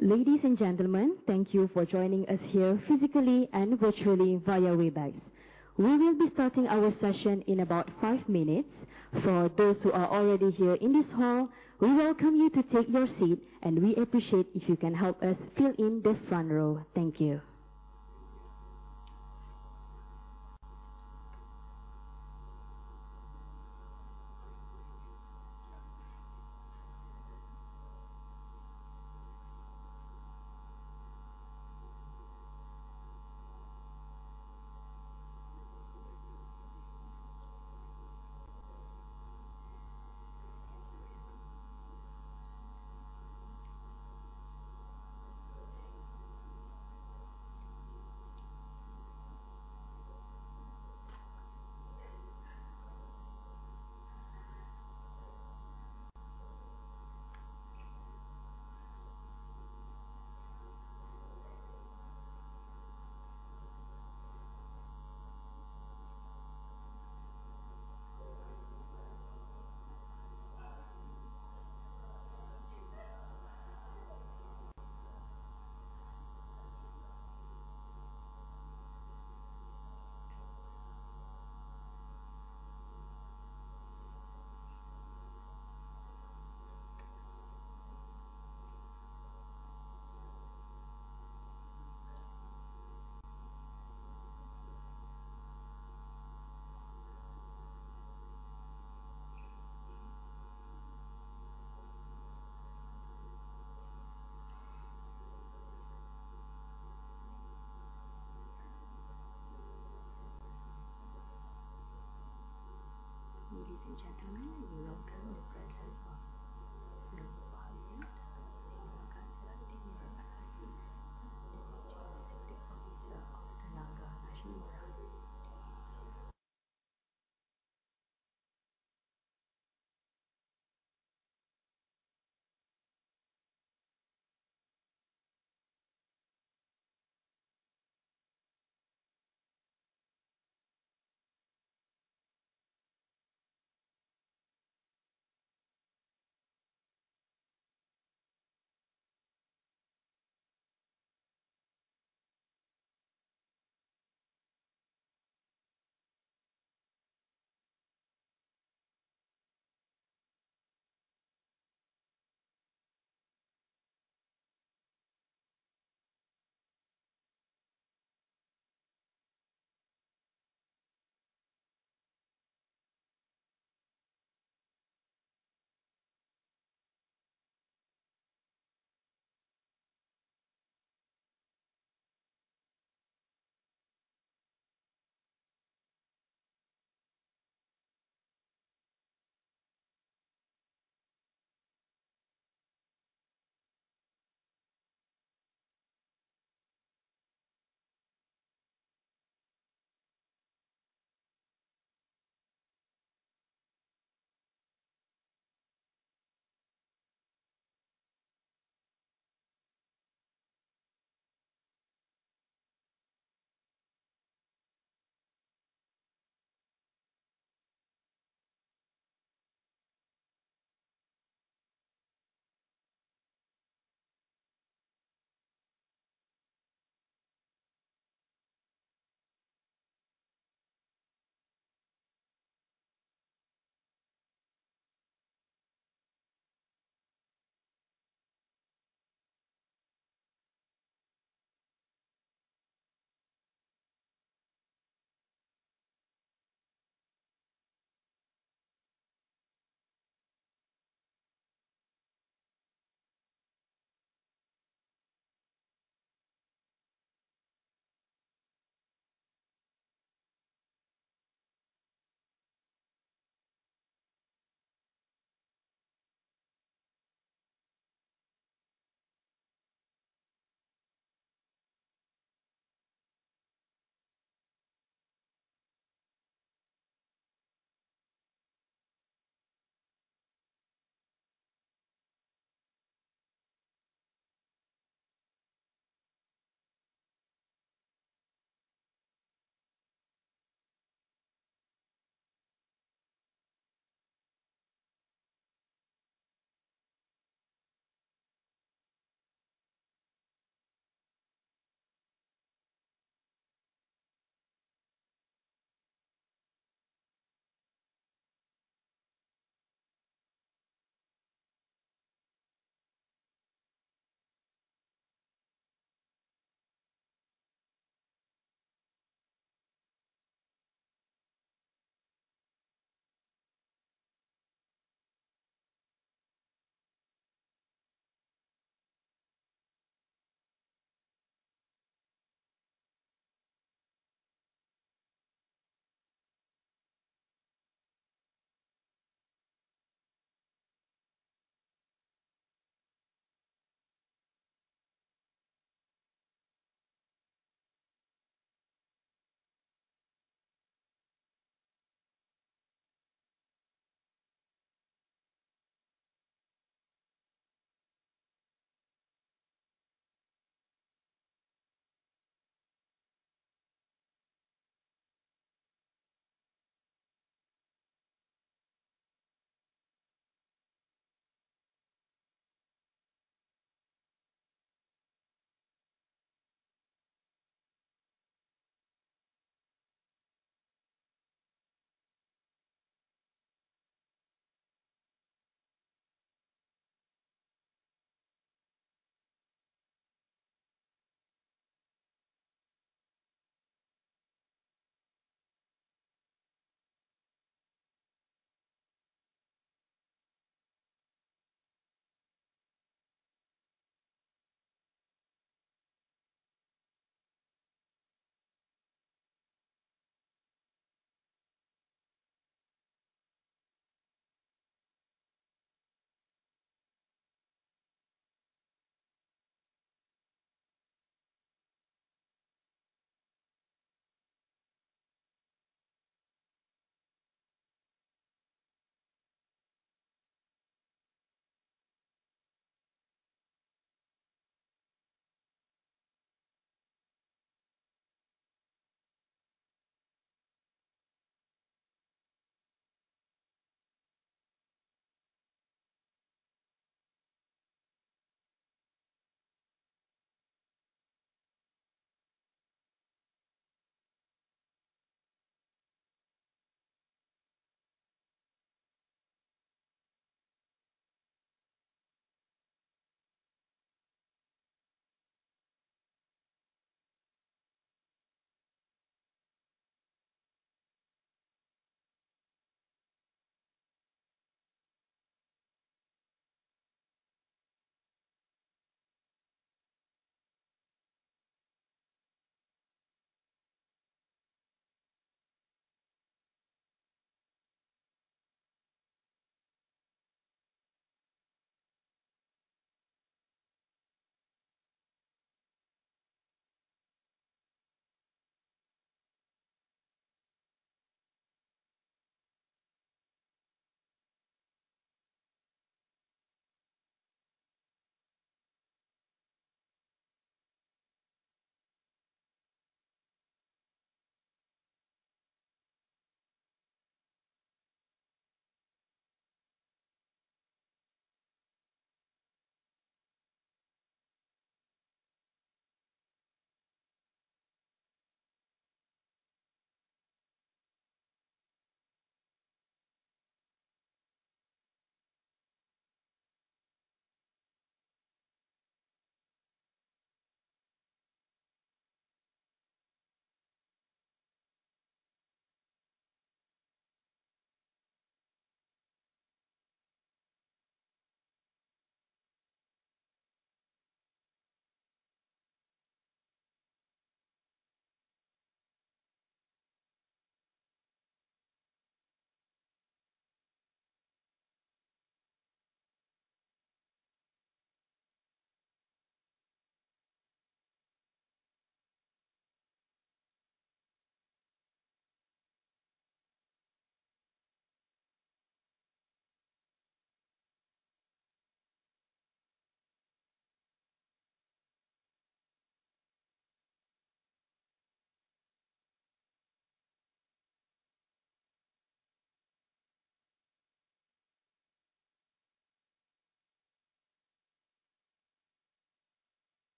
Ladies and gentlemen, thank you for joining us here physically and virtually via Webex. We will be starting our session in about five minutes. For those who are already here in this hall, we welcome you to take your seat, and we appreciate if you can help us fill in the front row. Thank you!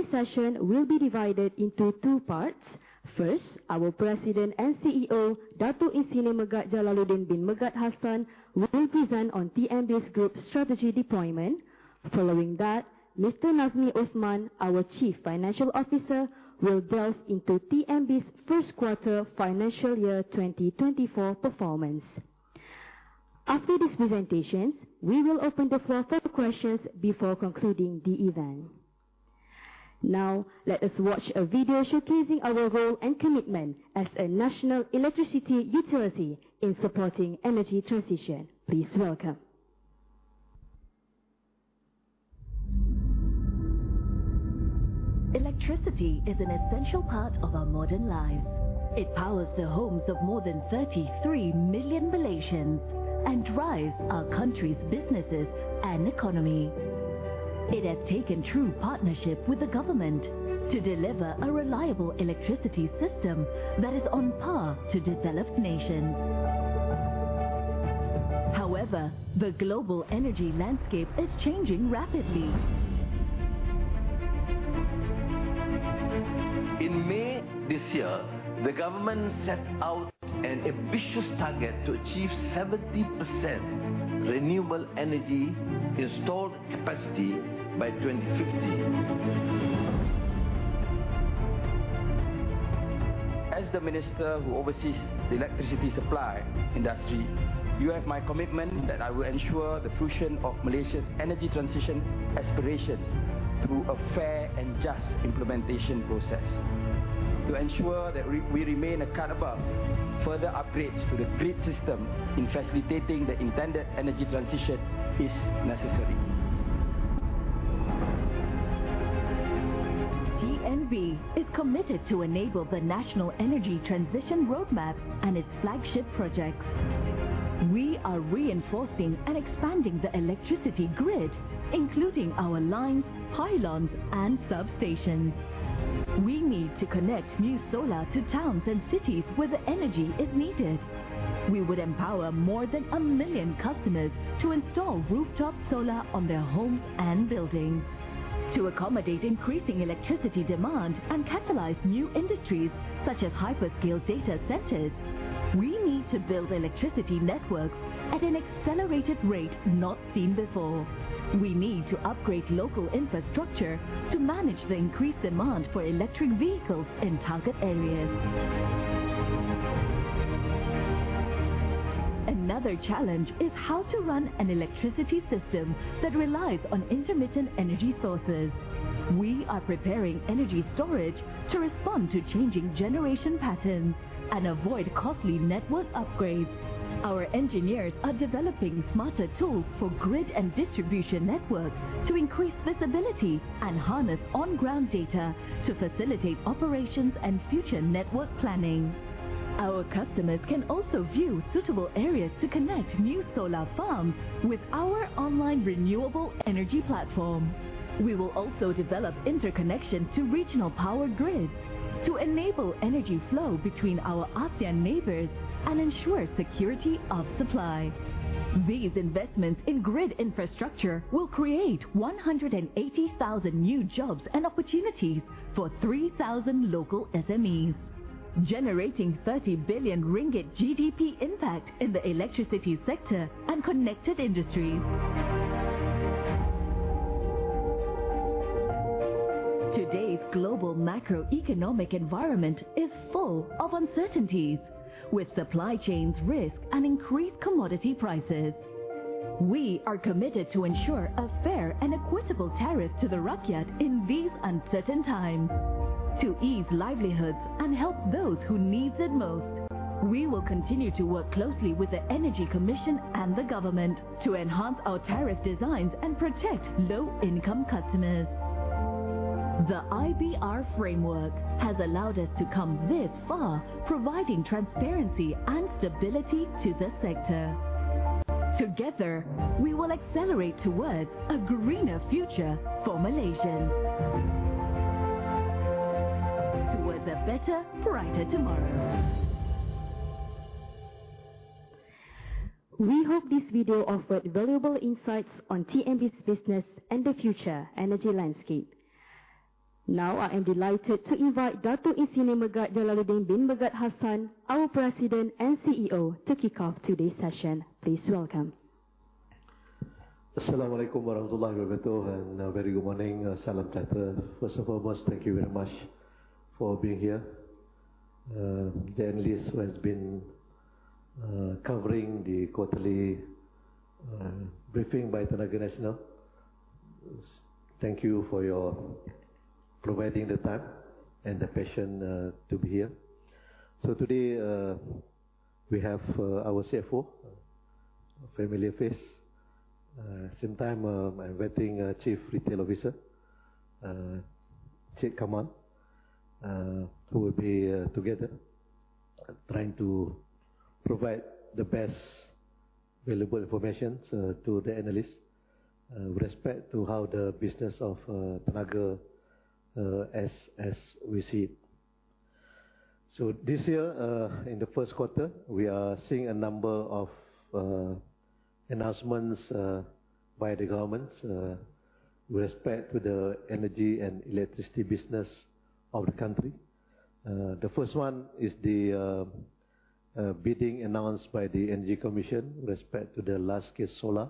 ...This session will be divided into two parts. First, our President and CEO, Dato' Ir. Megat Jalaluddin bin Megat Hassan, will present on TNB's group strategy deployment. Following that, Mr. Nazmi Othman, our Chief Financial Officer, will delve into TNB's first quarter financial year 2024 performance. After these presentations, we will open the floor for questions before concluding the event. Now, let us watch a video showcasing our role and commitment as a national electricity utility in supporting energy transition. Please welcome. Electricity is an essential part of our modern lives. It powers the homes of more than 33 million Malaysians and drives our country's businesses and economy. It has taken true partnership with the government to deliver a reliable electricity system that is on par to developed nations.... However, the global energy landscape is changing rapidly. In May this year, the government set out an ambitious target to achieve 70% renewable energy installed capacity by 2050.As the minister who oversees the electricity supply industry, you have my commitment that I will ensure the fruition of Malaysia's energy transition aspirations through a fair and just implementation process. To ensure that we remain accountable, further upgrades to the grid system in facilitating the intended energy transition is necessary. TNB is committed to enable the National Energy Transition Roadmap and its flagship projects. We are reinforcing and expanding the electricity grid, including our lines, pylons, and substations. We need to connect new solar to towns and cities where the energy is needed. We would empower more than 1 million customers to install rooftop solar on their homes and buildings. To accommodate increasing electricity demand and catalyze new industries, such as hyperscale data centers, we need to build electricity networks at an accelerated rate not seen before. We need to upgrade local infrastructure to manage the increased demand for electric vehicles in target areas. Another challenge is how to run an electricity system that relies on intermittent energy sources. We are preparing energy storage to respond to changing generation patterns and avoid costly network upgrades. Our engineers are developing smarter tools for grid and distribution networks to increase visibility and harness on-ground data to facilitate operations and future network planning. Our customers can also view suitable areas to connect new solar farms with our online renewable energy platform. We will also develop interconnection to regional power grids, to enable energy flow between our ASEAN neighbors and ensure security of supply. These investments in grid infrastructure will create 180,000 new jobs and opportunities for 3,000 local SMEs, generating 30 billion ringgit GDP impact in the electricity sector and connected industries. Today's global macroeconomic environment is full of uncertainties, with supply chain risks and increased commodity prices. We are committed to ensure a fair and equitable tariff to the rakyat in these uncertain times. To ease livelihoods and help those who needs it most, we will continue to work closely with the Energy Commission and the government to enhance our tariff designs and protect low-income customers. The IBR framework has allowed us to come this far, providing transparency and stability to the sector. Together, we will accelerate towards a greener future for Malaysians. Towards a better, brighter tomorrow. We hope this video offered valuable insights on TNB's business and the future energy landscape. Now, I am delighted to invite Dato' Ir. Megat Jalaluddin bin Megat Hassan, our President and CEO, to kick off today's session. Please welcome. Assalamualaikum warahmatullahi wabarakatuh, and a very good morning. Salam Sejahtera. First and foremost, thank you very much for being here. The analysts who has been covering the quarterly briefing by Tenaga Nasional, thank you for your providing the time and the passion to be here. Today, we have our CFO, a familiar face. Same time, I'm inviting our Chief Retail Officer, Sheikh Kamal, who will be together trying to provide the best available information to the analysts with respect to how the business of Tenaga as we see it. This year, in the first quarter, we are seeing a number of announcements by the government with respect to the energy and electricity business of the country. The first one is the bidding announced by the Energy Commission with respect to the Large Scale Solar.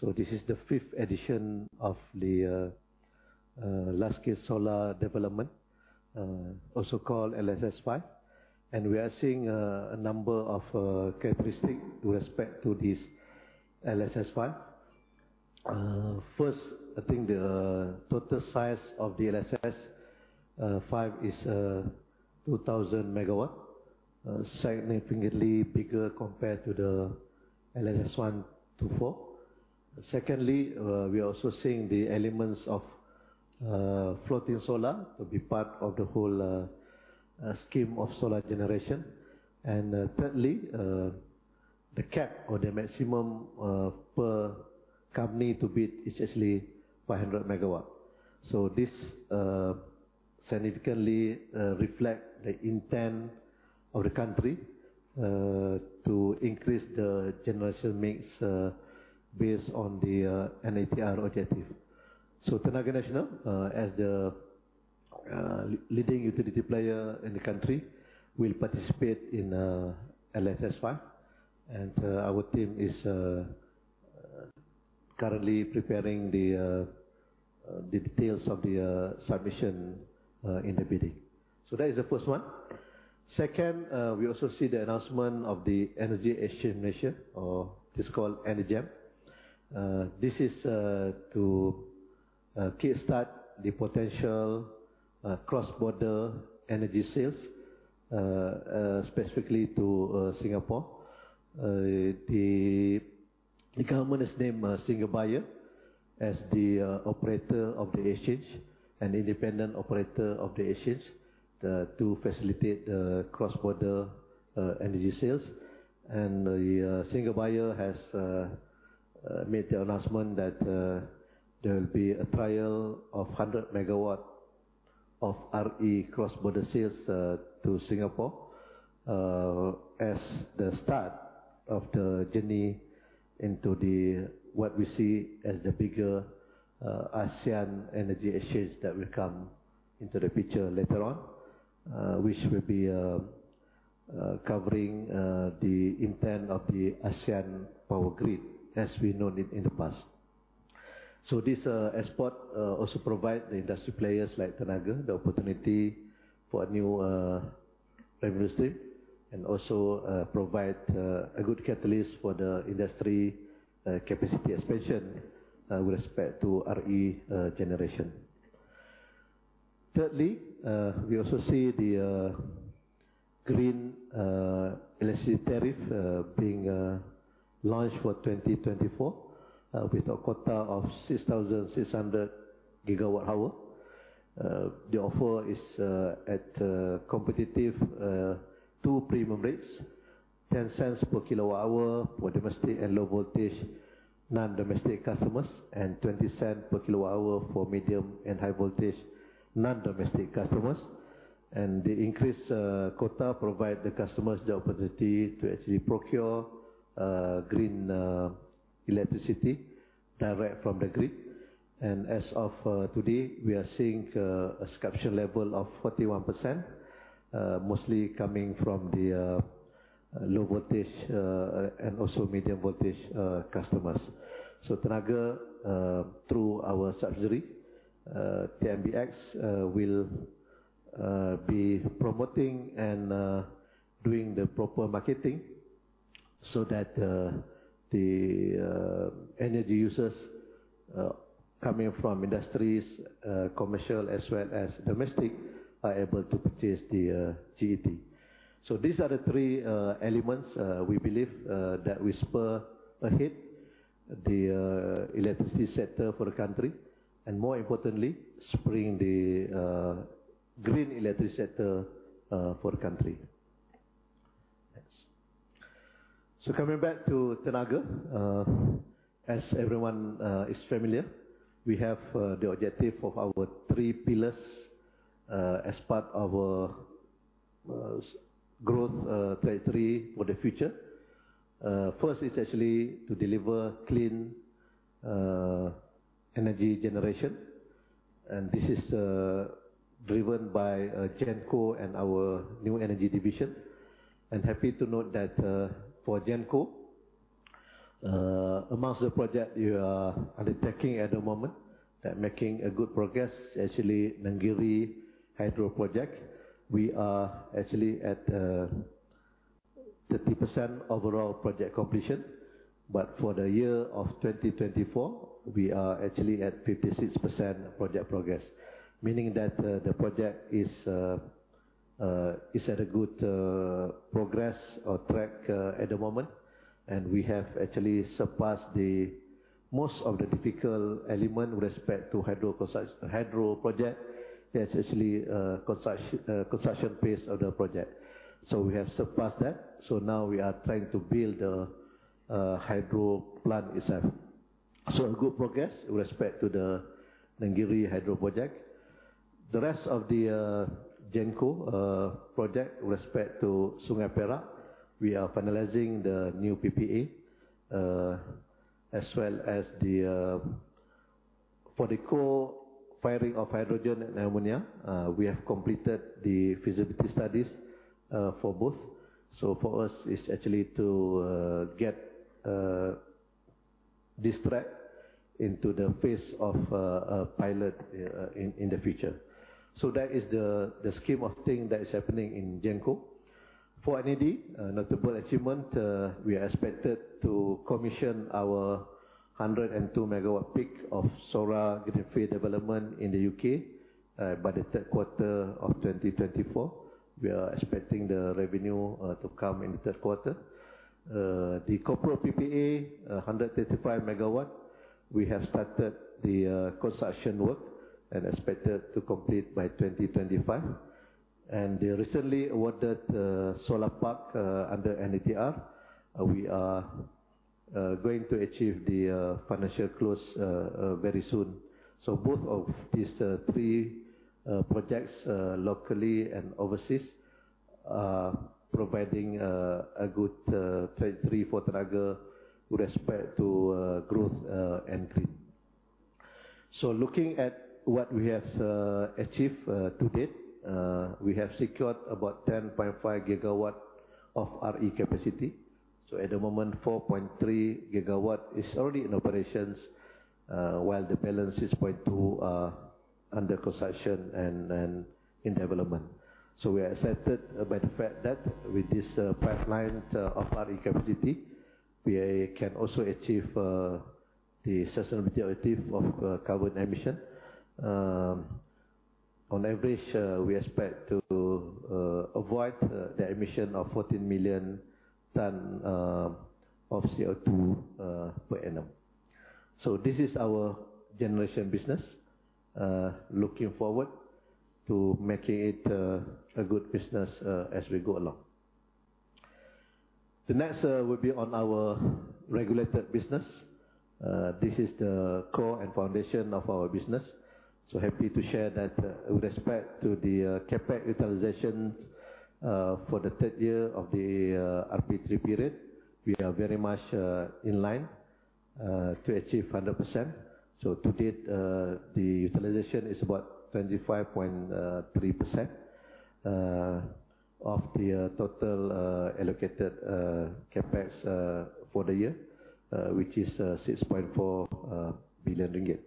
So this is the fifth edition of the Large Scale Solar development, also called LSS5, and we are seeing a number of characteristic with respect to this LSS5. First, I think the total size of the LSS5 is 2,000 megawatt, significantly bigger compared to the LSS1 to 4. Secondly, we are also seeing the elements of floating solar to be part of the whole scheme of solar generation. And, thirdly, the cap or the maximum per company to bid is actually 500 megawatt. So this significantly reflect the intent of the country to increase the generation mix based on the NETR objective. So Tenaga Nasional, as the leading utility player in the country, will participate in LSS5, and our team is currently preparing the details of the submission in the bidding. So that is the first one. Second, we also see the announcement of the Energy Exchange Malaysia, or it is called ENEGEM. This is to kick-start the potential cross-border energy sales, specifically to Singapore. The government has named Single Buyer as the operator of the exchange, an independent operator of the exchange, to facilitate the cross-border energy sales. The Single Buyer has made the announcement that there will be a trial of 100 MW of RE cross-border sales to Singapore as the start of the journey into the what we see as the bigger ASEAN energy exchange that will come into the picture later on. Which will be covering the intent of the ASEAN power grid, as we know it in the past. So this export also provide the industry players like Tenaga, the opportunity for a new industry, and also provide a good catalyst for the industry capacity expansion with respect to RE generation. Thirdly, we also see the Green Electricity Tariff being launched for 2024 with a quota of 6,600 GWh. The offer is at competitive two premium rates: 0.10 per kWh for domestic and low voltage, non-domestic customers, and 0.20 per kWh for medium and high voltage, non-domestic customers. The increased quota provide the customers the opportunity to actually procure green electricity direct from the grid. As of today, we are seeing a subscription level of 41%, mostly coming from the low voltage and also medium voltage customers. Tenaga, through our subsidiary, TNBX, will be promoting and doing the proper marketing, so that the energy users coming from industries, commercial, as well as domestic, are able to purchase the GET. So these are the three elements we believe that will spur ahead the electricity sector for the country, and more importantly, spurring the green electricity sector for the country. Thanks. So coming back to Tenaga, as everyone is familiar, we have the objective of our three pillars as part of growth territory for the future. First is actually to deliver clean energy generation, and this is driven by Genco and our New Energy Division. I'm happy to note that, for Genco, amongst the project we are undertaking at the moment and making a good progress, actually, Nenggiri Hydro Project, we are actually at 30% overall project completion. But for the year of 2024, we are actually at 56% project progress. Meaning that, the project is at a good progress or track at the moment, and we have actually surpassed the most of the difficult element with respect to the hydro project. That's actually the construction phase of the project. So we have surpassed that, so now we are trying to build the hydro plant itself. So a good progress with respect to the Nenggiri Hydro Project. The rest of the Genco project with respect to Sungai Perak, we are finalizing the new PPA. As well as for the co-firing of hydrogen and ammonia, we have completed the feasibility studies for both. So for us, it's actually to GET this track into the phase of a pilot in the future. So that is the scheme of thing that is happening in Genco. For NED, notable achievement, we are expected to commission our 102 MWp of solar greenfield development in the UK by the third quarter of 2024. We are expecting the revenue to come in the third quarter. The corporate PPA, 135 MW, we have started the construction work and expected to complete by 2025. And the recently awarded solar park under NETR, we are going to achieve the financial close very soon. So both of these three projects, locally and overseas, providing a good treasury for Tenaga with respect to growth and grid. So looking at what we have achieved to date, we have secured about 10.5 GW of RE capacity. So at the moment, 4.3 GW is already in operations, while the balance, 6.2 GW, is under concession and then in development. So we are accepted by the fact that with this pipeline of RE capacity, we can also achieve the sustainability of carbon emission. On average, we expect to avoid the emission of 14 million tons of CO2 per annum. So this is our generation business looking forward to making it a good business as we go along. The next will be on our regulated business. This is the core and foundation of our business. So happy to share that, with respect to the CapEx utilization, for the third year of the RP3 period, we are very much in line to achieve 100%. So to date, the utilization is about 25.3% of the total allocated CapEx for the year, which is 6.4 billion ringgit.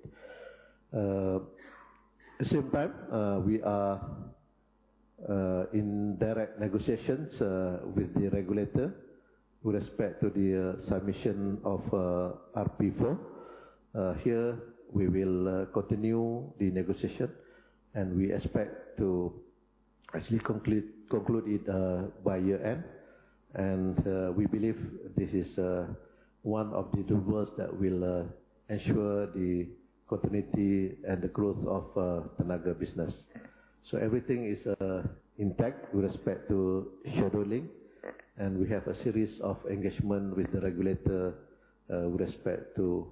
At the same time, we are in direct negotiations with the regulator with respect to the submission of RP4. Here, we will continue the negotiation, and we expect to actually conclude it by year end. And we believe this is one of the drivers that will ensure the continuity and the growth of Tenaga business. So everything is intact with respect to scheduling, and we have a series of engagement with the regulator with respect to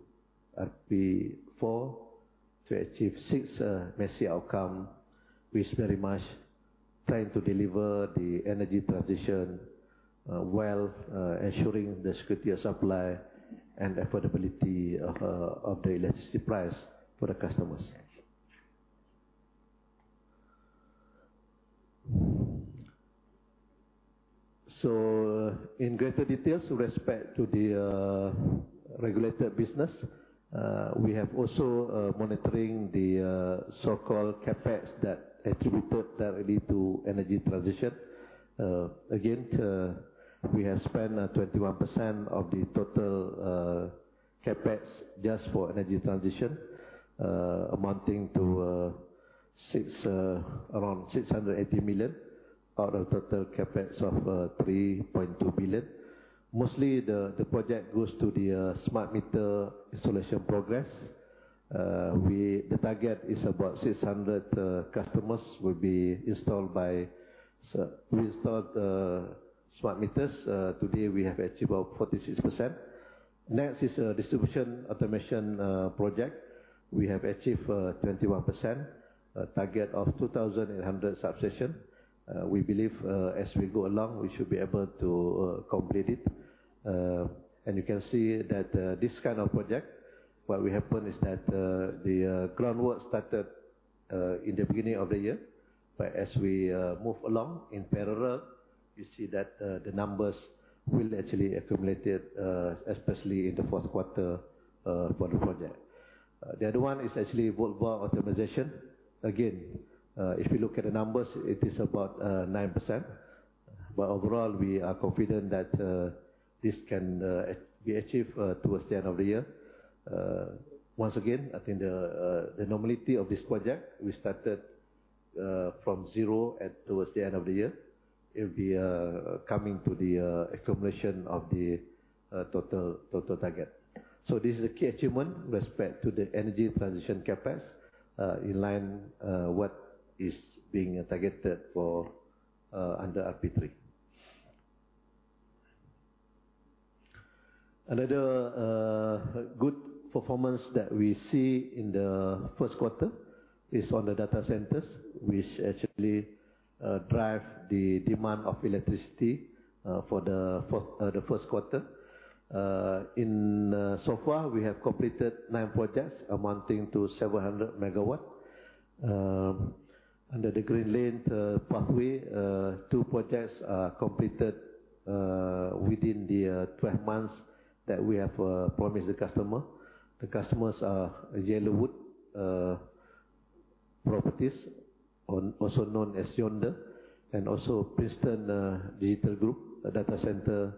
RP4, to achieve 6% outcome. We're very much trying to deliver the energy transition while ensuring the security of supply and affordability of the electricity price for the customers. So in greater details, with respect to the regulated business, we have also monitoring the so-called CapEx that attributed directly to energy transition. Again, we have spent 21% of the total CapEx just for energy transition, amounting to around 680 million, out of total CapEx of 3.2 billion. Mostly the project goes to the smart meter installation progress. We... The target is about 600 customers will be installed by, so we installed smart meters. Today, we have achieved about 46%. Next is a distribution automation project. We have achieved 21%, a target of 2,800 substation. We believe, as we go along, we should be able to complete it. And you can see that, this kind of project, what will happen is that, the groundwork started in the beginning of the year. But as we move along in parallel, you see that, the numbers will actually accumulated, especially in the fourth quarter, for the project. The other one is actually volt-var optimization. Again, if you look at the numbers, it is about 9%, but overall, we are confident that this can be achieved towards the end of the year. Once again, I think the normality of this project, we started from zero towards the end of the year. It will be coming to the accumulation of the total, total target. So this is a key achievement with respect to the energy transition CapEx in line what is being targeted for under RP3. Another good performance that we see in the first quarter is on the data centers, which actually drive the demand of electricity for the first quarter. In so far, we have completed nine projects, amounting to several hundred MW. Under the Green Lane Pathway, two projects are completed within the 12 months that we have promised the customer. The customers are Yellowwood Properties, also known as Yondr, and also Princeton Digital Group, a data center,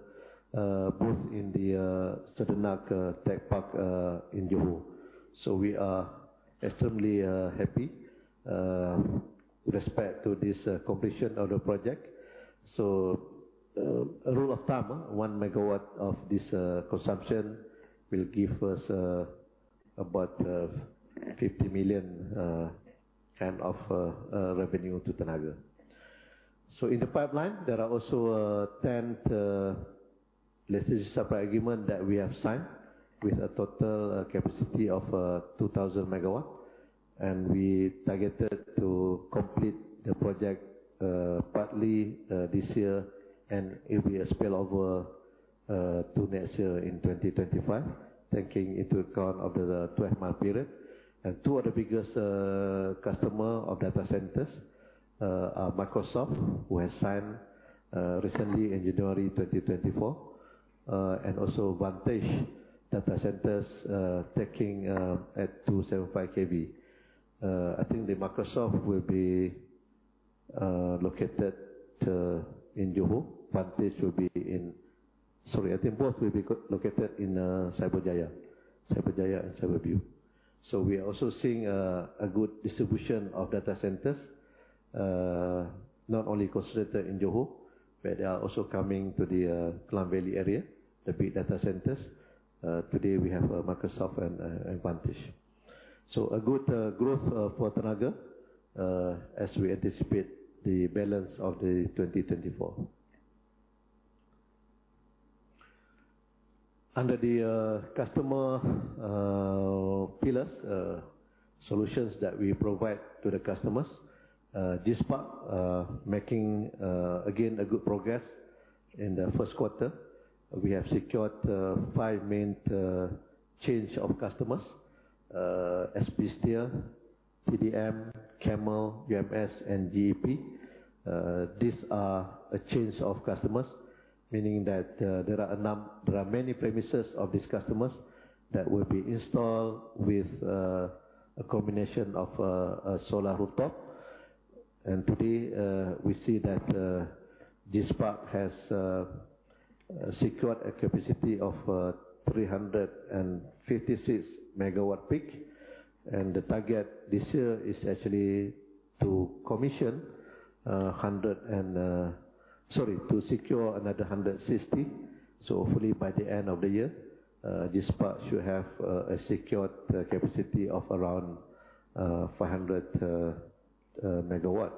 both in the Sedenak Tech Park in Johor. We are extremely happy with respect to this completion of the project. A rule of thumb, 1 MW of this consumption will give us about 50 million of revenue to Tenaga. In the pipeline, there are also 10, let's say, supply agreement that we have signed, with a total capacity of 2,000 MW. We targeted to complete the project, partly, this year, and it will be a spillover to next year in 2025, taking into account of the 12-month period. Two of the biggest customer of data centers are Microsoft, who has signed recently in January 2024, and also Vantage Data Centers, taking at 275 kV. I think the Microsoft will be located in Johor. Vantage will be in. Sorry, I think both will be co-located in Cyberjaya, Cyberjaya and Cyberview. So we are also seeing a good distribution of data centers, not only concentrated in Johor, but they are also coming to the Klang Valley area, the big data centers. Today, we have Microsoft and Vantage. A good growth for Tenaga as we anticipate the balance of 2024. Under the customer pillars, solutions that we provide to the customers, this part making again a good progress in the first quarter. We have secured five main customers, Southern Steel, TDM, Camel, UMS and GEP. These are customers, meaning that there are many premises of these customers that will be installed with a combination of a solar rooftop. And today we see that GSPARX has secured a capacity of 356 MWp, and the target this year is actually to commission hundred and... Sorry, to secure another 160. So hopefully, by the end of the year, GSPARX should have a secured capacity of around 400 megawatts.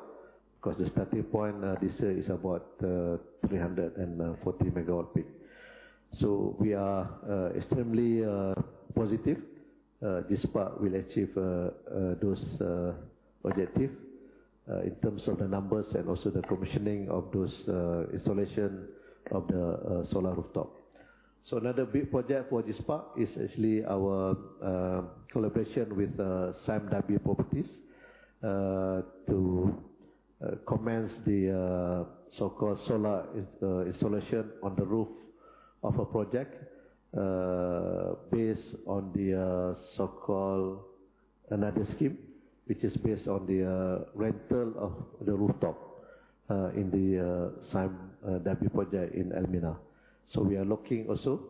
Because the starting point this year is about 340 megawatts peak. So we are extremely positive GSPARX will achieve those objectives in terms of the numbers and also the commissioning of those installation of the solar rooftop. So another big project for GSPARX is actually our collaboration with Sime Darby Property to commence the so-called solar installation on the roof of a project based on the so-called another scheme, which is based on the rental of the rooftop in the Sime Darby project in Elmina. So we are looking also,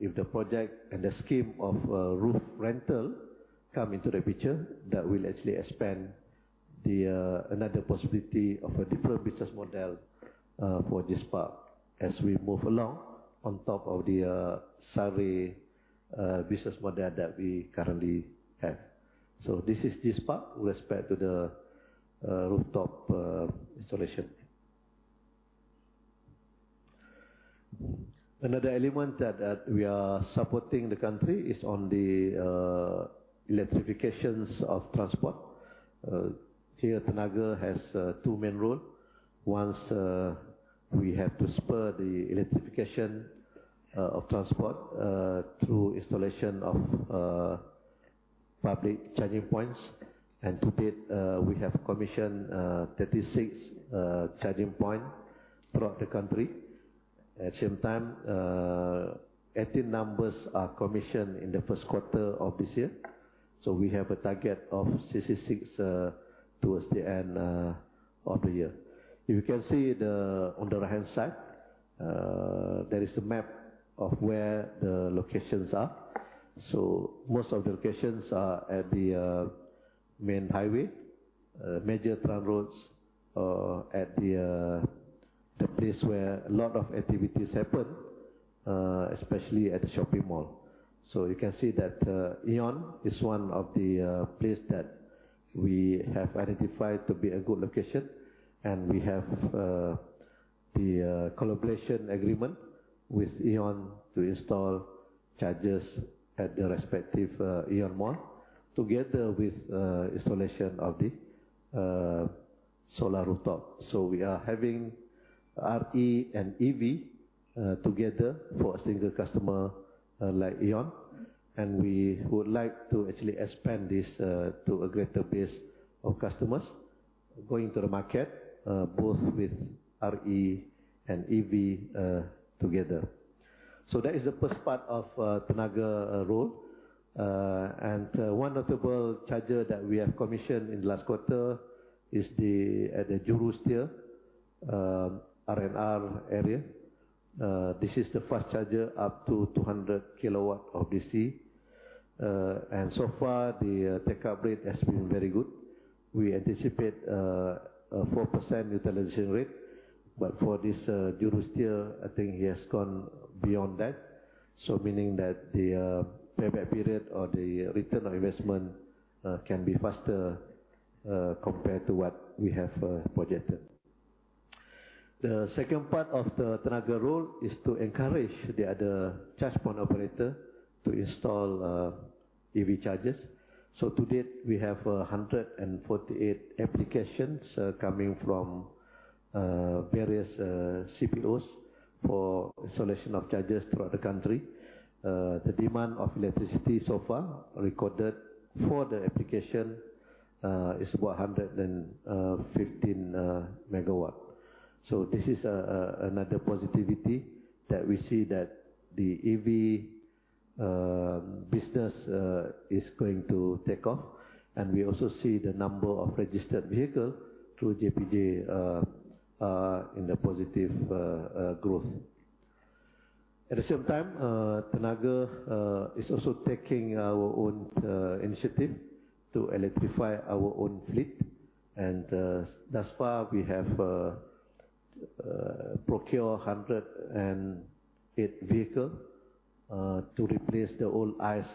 if the project and the scheme of, roof rental come into the picture, that will actually expand the, another possibility of a different business model, for GSPARX as we move along on top of the, SARE, business model that we currently have. So this is GSPARX with respect to the, rooftop, installation. Another element that, we are supporting the country is on the, electrification of transport. Here, Tenaga has, two main role. One, we have to spur the electrification, of transport, through installation of, public charging points. And to date, we have commissioned, 36, charging point throughout the country. At the same time, 18 numbers are commissioned in the first quarter of this year. We have a target of 66 towards the end of the year. You can see, on the right-hand side, there is a map of where the locations are. Most of the locations are at the main highway, major town roads, at the place where a lot of activities happen, especially at the shopping mall. You can see that, AEON is one of the place that we have identified to be a good location, and we have the collaboration agreement with AEON to install chargers at the respective AEON mall, together with installation of the solar rooftop. So we are having RE and EV together for a single customer like AEON, and we would like to actually expand this to a greater base of customers going to the market both with RE and EV together. So that is the first part of Tenaga role. And one notable charger that we have commissioned in the last quarter is the at the Juru Sebelah R&R area. This is the first charger up to 200 kW of DC. And so far the take-up rate has been very good. We anticipate a 4% utilization rate. But for this customer, I think he has gone beyond that. So meaning that the payback period or the return on investment can be faster compared to what we have projected. The second part of the Tenaga role is to encourage the other charge point operator to install EV chargers. So to date, we have 148 applications coming from various CPOs for installation of chargers throughout the country. The demand of electricity so far recorded for the application is about 115 MW. So this is another positivity that we see that the EV business is going to take off, and we also see the number of registered vehicle through JPJ in a positive growth. At the same time, Tenaga is also taking our own initiative to electrify our own fleet, and thus far we have procured 108 vehicles to replace the old ICE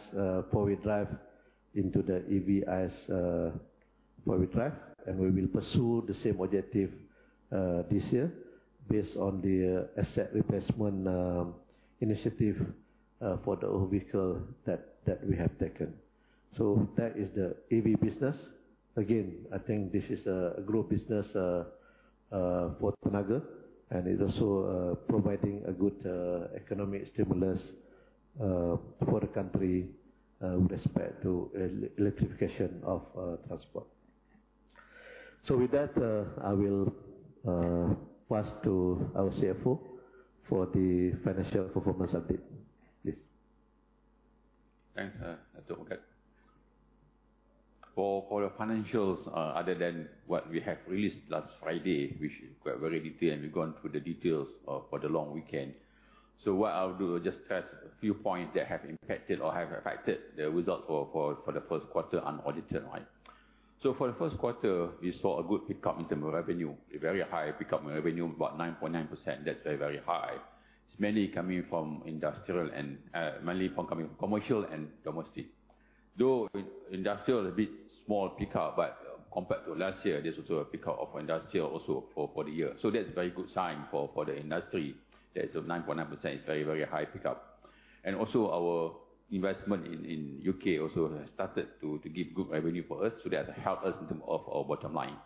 four-wheel drive into the EV four-wheel drive, and we will pursue the same objective this year based on the asset replacement initiative for the old vehicle that we have taken. So that is the EV business. Again, I think this is a growth business for Tenaga, and it is also providing a good economic stimulus for the country with respect to electrification of transport. So with that, I will pass to our CFO for the financial performance update. Please. Thanks, Dr. Okay. For the financials, other than what we have released last Friday, which we are very detailed, and we've gone through the details, for the long weekend. So what I'll do is just stress a few points that have impacted or have affected the results for the first quarter unaudited, right? So for the first quarter, we saw a good pickup in terms of revenue, a very high pickup in revenue, about 9.9%. That's very, very high. It's mainly coming from industrial and, mainly from commercial and domestic. Though industrial is a bit small pickup, but compared to last year, there's also a pickup of industrial also for the year. So that's a very good sign for the industry. That is a 9.9% is very, very high pickup. And also our investment in the U.K. also has started to give good revenue for us, so that has helped us in terms of our bottom line.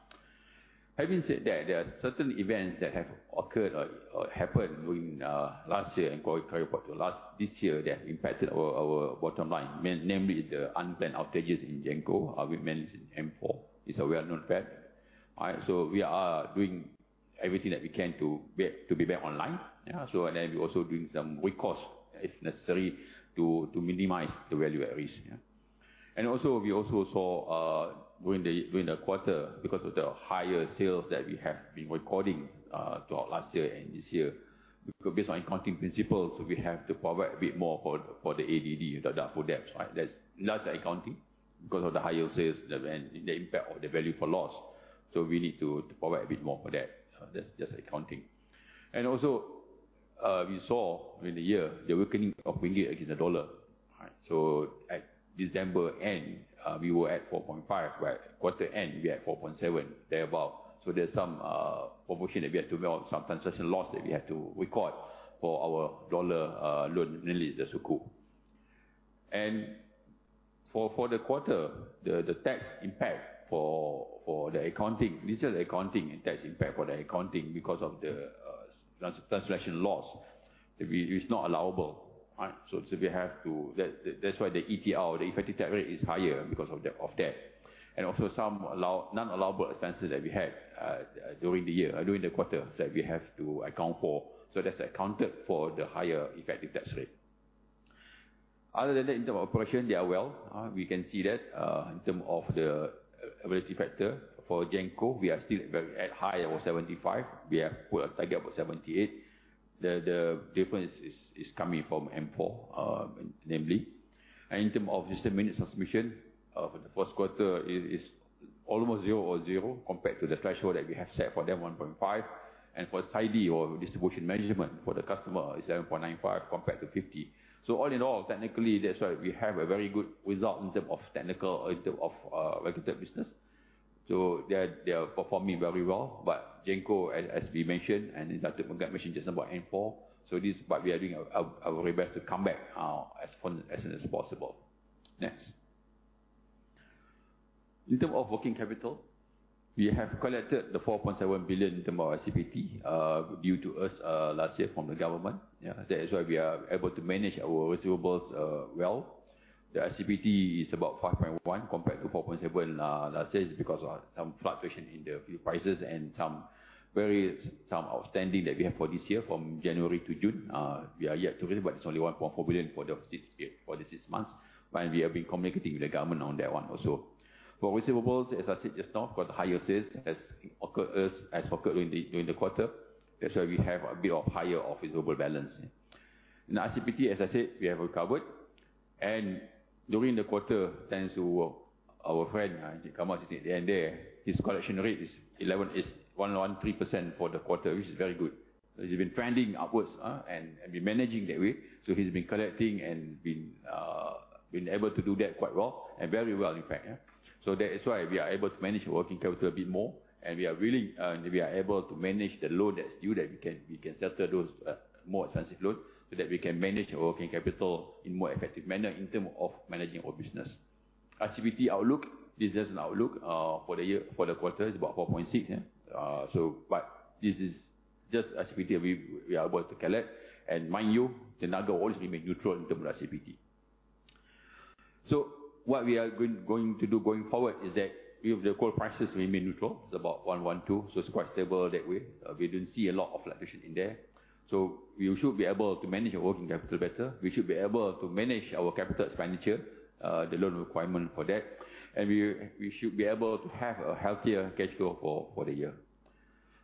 Having said that, there are certain events that have occurred or happened during last year and first quarter to last this year that have impacted our bottom line, namely the unplanned outages in Genco with mainly M4. It's a well-known fact. So we are doing everything that we can to be back online. Yeah, so and then we're also doing some recourse if necessary, to minimize the value at risk. Yeah. And also, we also saw during the quarter, because of the higher sales that we have been recording throughout last year and this year, because based on accounting principles, we have to provide a bit more for the ADD for that. That's just accounting, because of the higher sales and the impact of the provision for loss. So we need to provide a bit more for that. That's just accounting. And also, we saw in the year the weakening of ringgit against the dollar. So at December end, we were at 4.5, but quarter end, we are at 4.7, thereabout. So there's some provision that we have to make some translation loss that we have to record for our dollar loan liabilities, the sukuk. And for the quarter, the tax impact for the accounting, this is the accounting and tax impact for the accounting because of the translation loss, that it's not allowable, right? So we have to... That's why the ETR, the effective tax rate, is higher because of that. And also some non-allowable expenses that we had during the year, during the quarter, that we have to account for. So that's accounted for the higher effective tax rate. Other than that, in terms of operation, they are well. We can see that, in terms of the availability factor for Genco, we are still very at high level 75. We have put a target about 78. The difference is coming from M4, namely. In terms of System Minutes Transmission, for the first quarter is almost zero or zero, compared to the threshold that we have set for them, 1.5. And for SAIDI or distribution management for the customer is 7.95 compared to 50. So all in all, technically, that's why we have a very good result in terms of technical, in terms of regulated business. So they are performing very well, but Genco, as we mentioned, and Dr. Megat mentioned just about M4, so this is what we are doing our very best to come back as soon as possible. In terms of working capital, we have collected the 4.7 billion in terms of ICPT due to us last year from the government. Yeah, that is why we are able to manage our receivables, well. The ICPT is about 5.1 compared to 4.7 last year, is because of some fluctuation in the fuel prices and some various, some outstanding that we have for this year, from January to June. We are yet to realize, but it's only 1.4 billion for the six months, but we have been communicating with the government on that one also. For receivables, as I said just now, got higher sales has occurred us, has occurred during the quarter. That's why we have a bit of higher of receivable balance. Now, ICPT, as I said, we have recovered. During the quarter, thanks to our friend, Kamal, sitting at the end there, his collection rate is 113% for the quarter, which is very good. So he's been trending upwards, and been managing that way, so he's been collecting and been able to do that quite well, and very well, in fact, yeah. So that is why we are able to manage the working capital a bit more, and we are really, we are able to manage the load that's due, that we can, we can settle those, more expensive load, so that we can manage the working capital in more effective manner in term of managing our business. ICPT outlook, this is an outlook for the quarter, it's about 4.6, yeah. So but this is just ICPT we are about to collect, and mind you, Tenaga always remain neutral in term of ICPT. So what we are going to do going forward is that we have the coal prices remain neutral. It's about 112, so it's quite stable that way. We didn't see a lot of fluctuation in there. So we should be able to manage our working capital better. We should be able to manage our capital expenditure, the loan requirement for that, and we should be able to have a healthier cash flow for the year.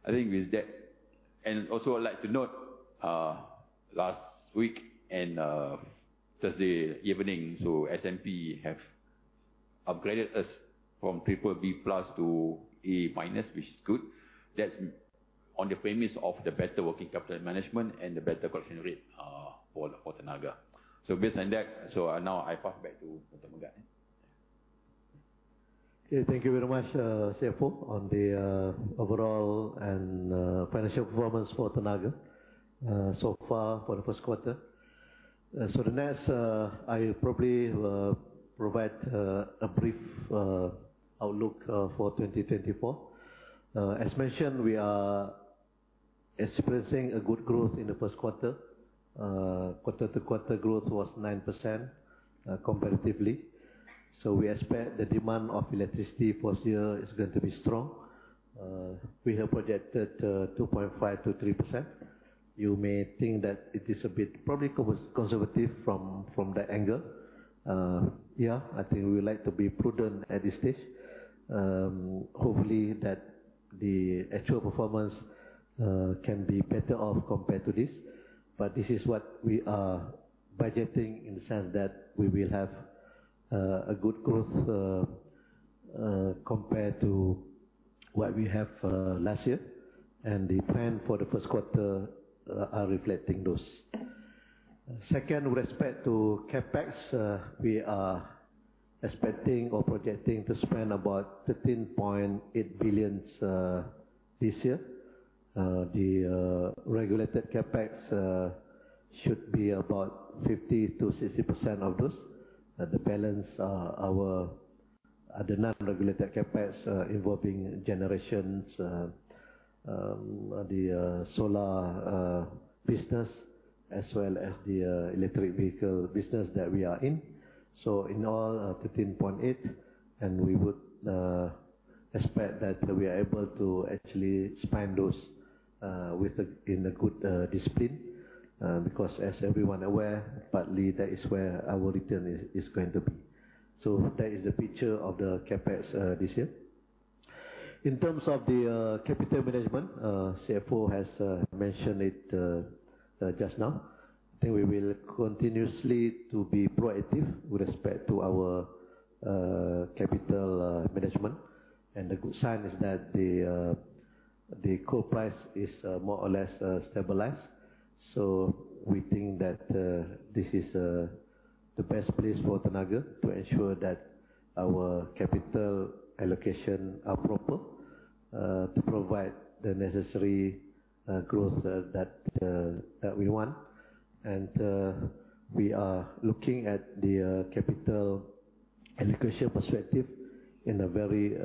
I think with that... And also, I'd like to note, last week and Thursday evening, so S&P have upgraded us from BBB+ to A-, which is good. That's on the premise of the better working capital management and the better collection rate for Tenaga. So based on that, now I pass back to Dr. Megat. Okay, thank you very much, CFO, on the overall and financial performance for Tenaga so far for the first quarter. So the next, I probably provide a brief outlook for 2024. As mentioned, we are expressing a good growth in the first quarter. Quarter-to-quarter growth was 9%, comparatively. So we expect the demand of electricity for this year is going to be strong. We have projected 2.5%-3%. You may think that it is a bit probably conservative from that angle. Yeah, I think we would like to be prudent at this stage. Hopefully, that the actual performance can be better off compared to this, but this is what we are budgeting, in the sense that we will have a good growth compared to what we have last year, and the plan for the first quarter are reflecting those. Second, with respect to CapEx, we are expecting or projecting to spend about 13.8 billion this year. The regulated CapEx should be about 50%-60% of those. The balance are our the non-regulated CapEx involving generations, the solar business, as well as the electric vehicle business that we are in. So in all, 13.8 billion, and we would expect that we are able to actually spend those, with the- in a good discipline. Because as everyone aware, partly that is where our return is, is going to be. So that is the picture of the CapEx, this year. In terms of the, capital management, CFO has mentioned it, just now. I think we will continuously to be proactive with respect to our, capital, management. And the good sign is that the, the coal price is, more or less, stabilized. So we think that, this is, the best place for Tenaga to ensure that our capital allocation are proper, to provide the necessary, growth that, that we want. We are looking at the capital allocation perspective in a very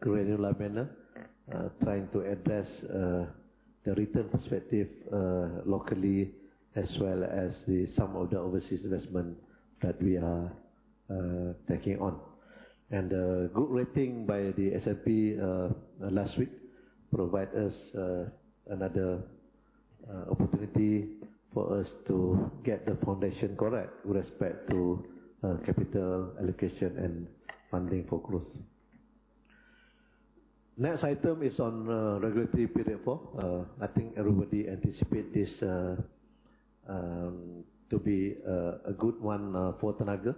granular manner, trying to address the return perspective locally, as well as some of the overseas investment that we are taking on. Good rating by the S&P last week provides us another opportunity for us to GET the foundation correct with respect to capital allocation and funding for growth. Next item is on Regulatory Period Four. I think everybody anticipates this to be a good one for Tenaga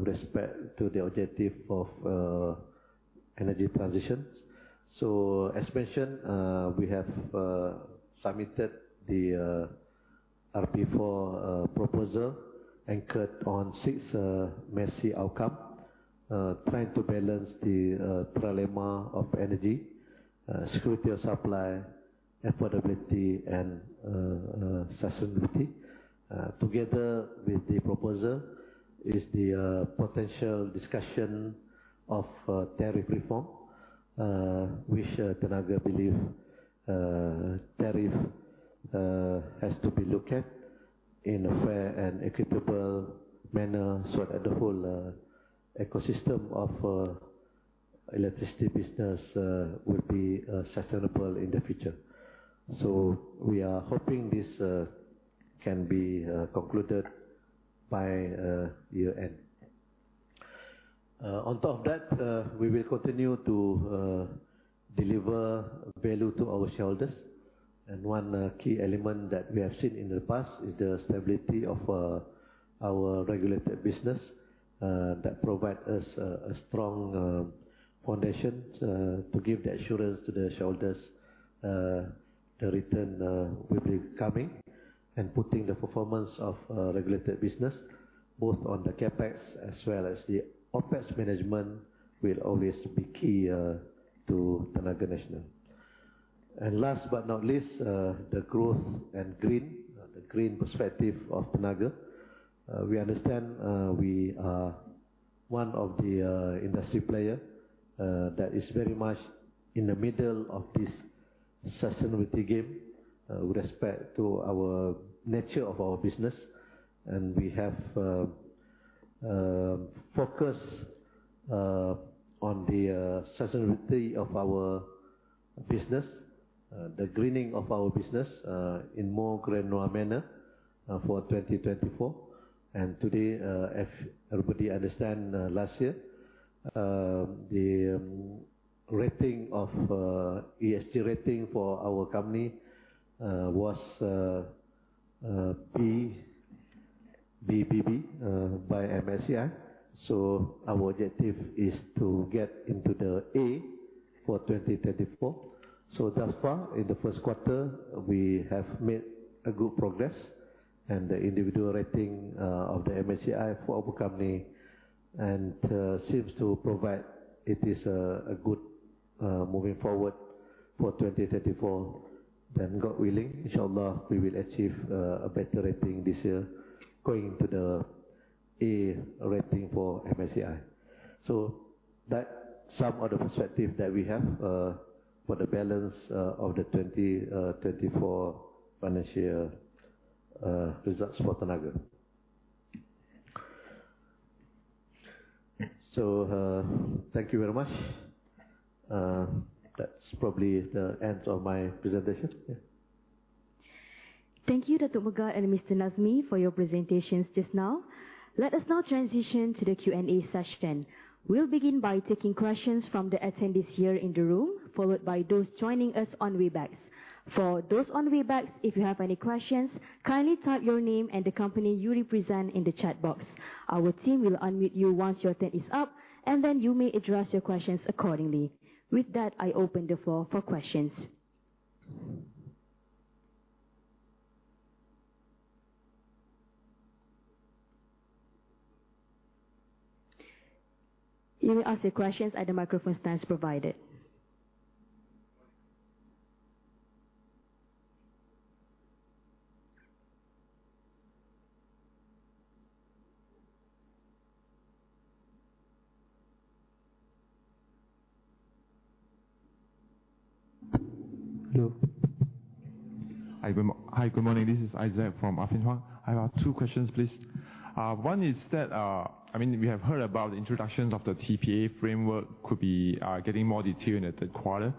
with respect to the objective of energy transition. So as mentioned, we have submitted the RP4 proposal, anchored on six key outcomes, trying to balance the trilemma of energy security of supply, affordability, and sustainability. Together with the proposal is the potential discussion of tariff reform, which Tenaga believe tariff has to be looked at in a fair and equitable manner, so that the whole ecosystem of electricity business will be sustainable in the future. So we are hoping this can be concluded by year end. On top of that, we will continue to deliver value to our shareholders. And one key element that we have seen in the past is the stability of our regulated business that provide us a strong foundation to give the assurance to the shareholders the return will be coming. Putting the performance of regulated business, both on the CapEx as well as the OpEx management, will always be key to Tenaga Nasional. Last but not least, the growth and green, the green perspective of Tenaga. We understand, we are one of the industry player that is very much in the middle of this sustainability game, with respect to our nature of our business. And we have focused on the sustainability of our business, the greening of our business, in more granular manner, for 2024. And today, if everybody understand, last year, the rating of ESG rating for our company was B, BBB by MSCI. So our objective is to GET into the A for 2024. So thus far, in the first quarter, we have made a good progress, and the individual rating of the MSCI for our company, and seems to provide it is a good moving forward for 2034. Then God willing, inshallah, we will achieve a better rating this year, going into the A rating for MSCI. So that's some of the perspective that we have for the balance of the 2024 financial results for Tenaga. So, thank you very much. That's probably the end of my presentation. Yeah. Thank you, Dato' Megat and Mr. Nazmi, for your presentations just now. Let us now transition to the Q&A session. We'll begin by taking questions from the attendees here in the room, followed by those joining us on Webex. For those on Webex, if you have any questions, kindly type your name and the company you represent in the chat box. Our team will unmute you once your turn is up, and then you may address your questions accordingly. With that, I open the floor for questions. You may ask your questions at the microphone stands provided. Hello. Hi, good morning. This is Isaac from Affin Hwang. I have two questions, please. One is that, I mean, we have heard about the introductions of the TPA framework could be getting more detailed in the third quarter.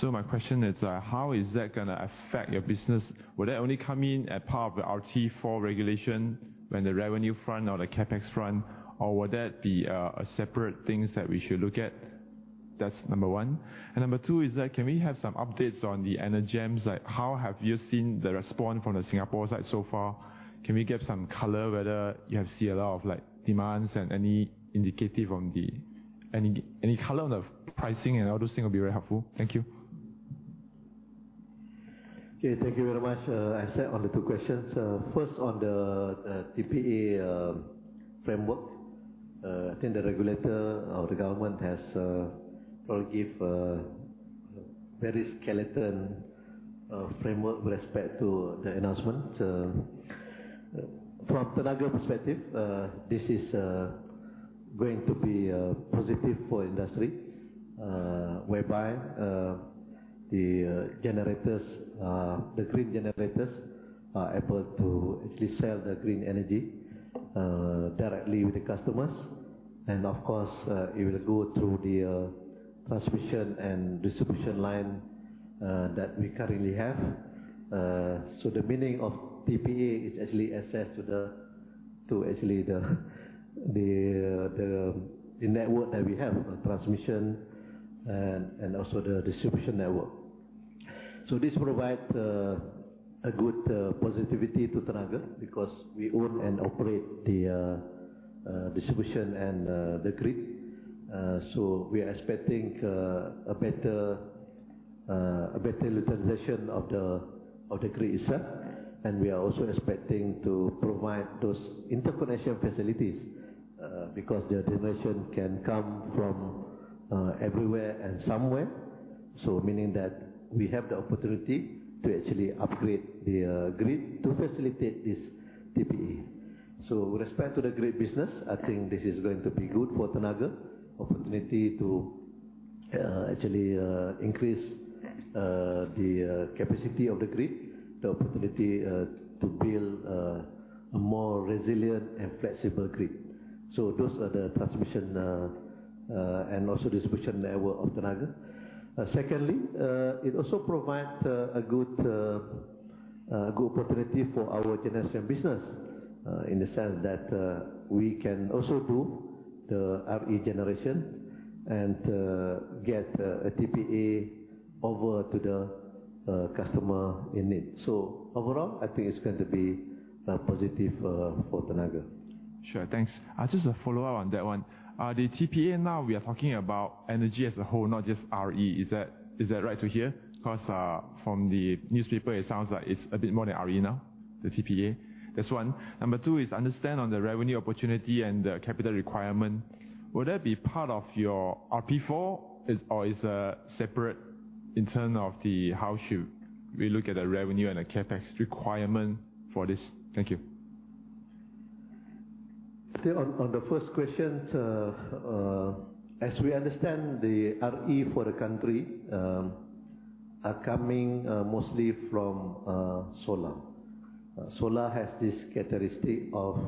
So my question is, how is that gonna affect your business? Will that only come in as part of the RP4 regulation when the revenue front or the CapEx front, or will that be a separate things that we should look at? That's number one. And number two is that, can we have some updates on the ENEGEM? Like, how have you seen the response from the Singapore side so far? Can we GET some color whether you have seen a lot of, like, demands and any indicative on the... Any, any color on the pricing and all those things will be very helpful. Thank you. Okay, thank you very much, Isaac, on the two questions. First, on the TPA framework. I think the regulator or the government has probably give very skeletal framework with respect to the announcement. From Tenaga perspective, this is going to be positive for industry. Whereby the generators, the green generators are able to actually sell the green energy directly with the customers. And of course, it will go through the transmission and distribution line that we currently have. So the meaning of TPA is actually access to the actual network that we have, the transmission and also the distribution network. So this provide a good positivity to Tenaga, because we own and operate the distribution and the grid. So we are expecting a better utilization of the grid itself. And we are also expecting to provide those interconnection facilities because the generation can come from everywhere and somewhere. So meaning that we have the opportunity to actually upgrade the grid to facilitate this TPA. So with respect to the grid business, I think this is going to be good for Tenaga. Opportunity to actually increase the capacity of the grid, the opportunity to build a more resilient and flexible grid. So those are the transmission and also distribution network of Tenaga. Secondly, it also provide a good... Good opportunity for our generation business, in the sense that we can also do the RE generation and GET TPA over to the customer in need. So overall, I think it's going to be positive for Tenaga. Sure, thanks. Just a follow-up on that one. The TPA now we are talking about energy as a whole, not just RE. Is that, is that right to hear? Because, from the newspaper, it sounds like it's a bit more than RE now, the TPA. That's one. Number two is understand on the revenue opportunity and the capital requirement, will that be part of your RP4, is or is, separate in terms of the how should we look at the revenue and the CapEx requirement for this? Thank you. On the first question, as we understand, the RE for the country are coming mostly from solar. Solar has this characteristic of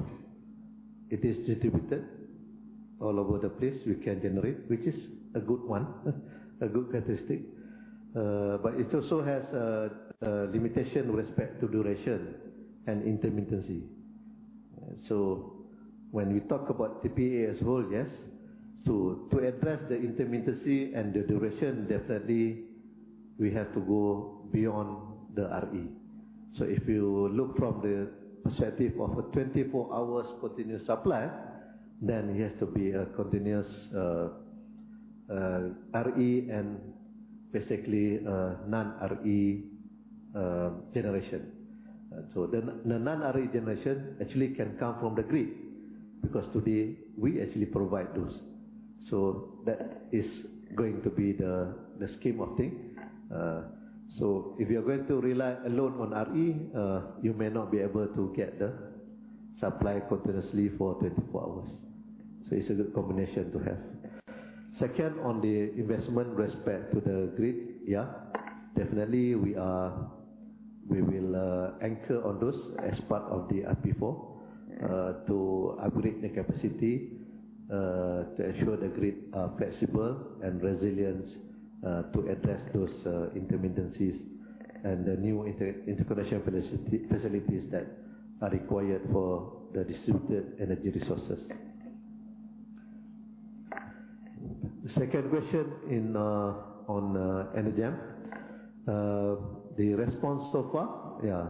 it is distributed all over the place we can generate, which is a good one, a good characteristic. But it also has a limitation with respect to duration and intermittency. So when we talk about TPA as well, yes, so to address the intermittency and the duration, definitely we have to go beyond the RE. So if you look from the perspective of a 24 hours continuous supply, then it has to be a continuous RE and basically non-RE generation. So the non-RE generation actually can come from the grid, because today we actually provide those. So that is going to be the scheme of thing. So if you are going to rely alone on RE, you may not be able to GET the supply continuously for 24 hours. So it's a good combination to have. Second, on the investment with respect to the grid, yeah, definitely we will anchor on those as part of the RP4 to upgrade the capacity to ensure the grid are flexible and resilience to address those intermittencies and the new interconnection facilities that are required for the distributed energy resources. The second question in on ENEGEM. The response so far, yeah.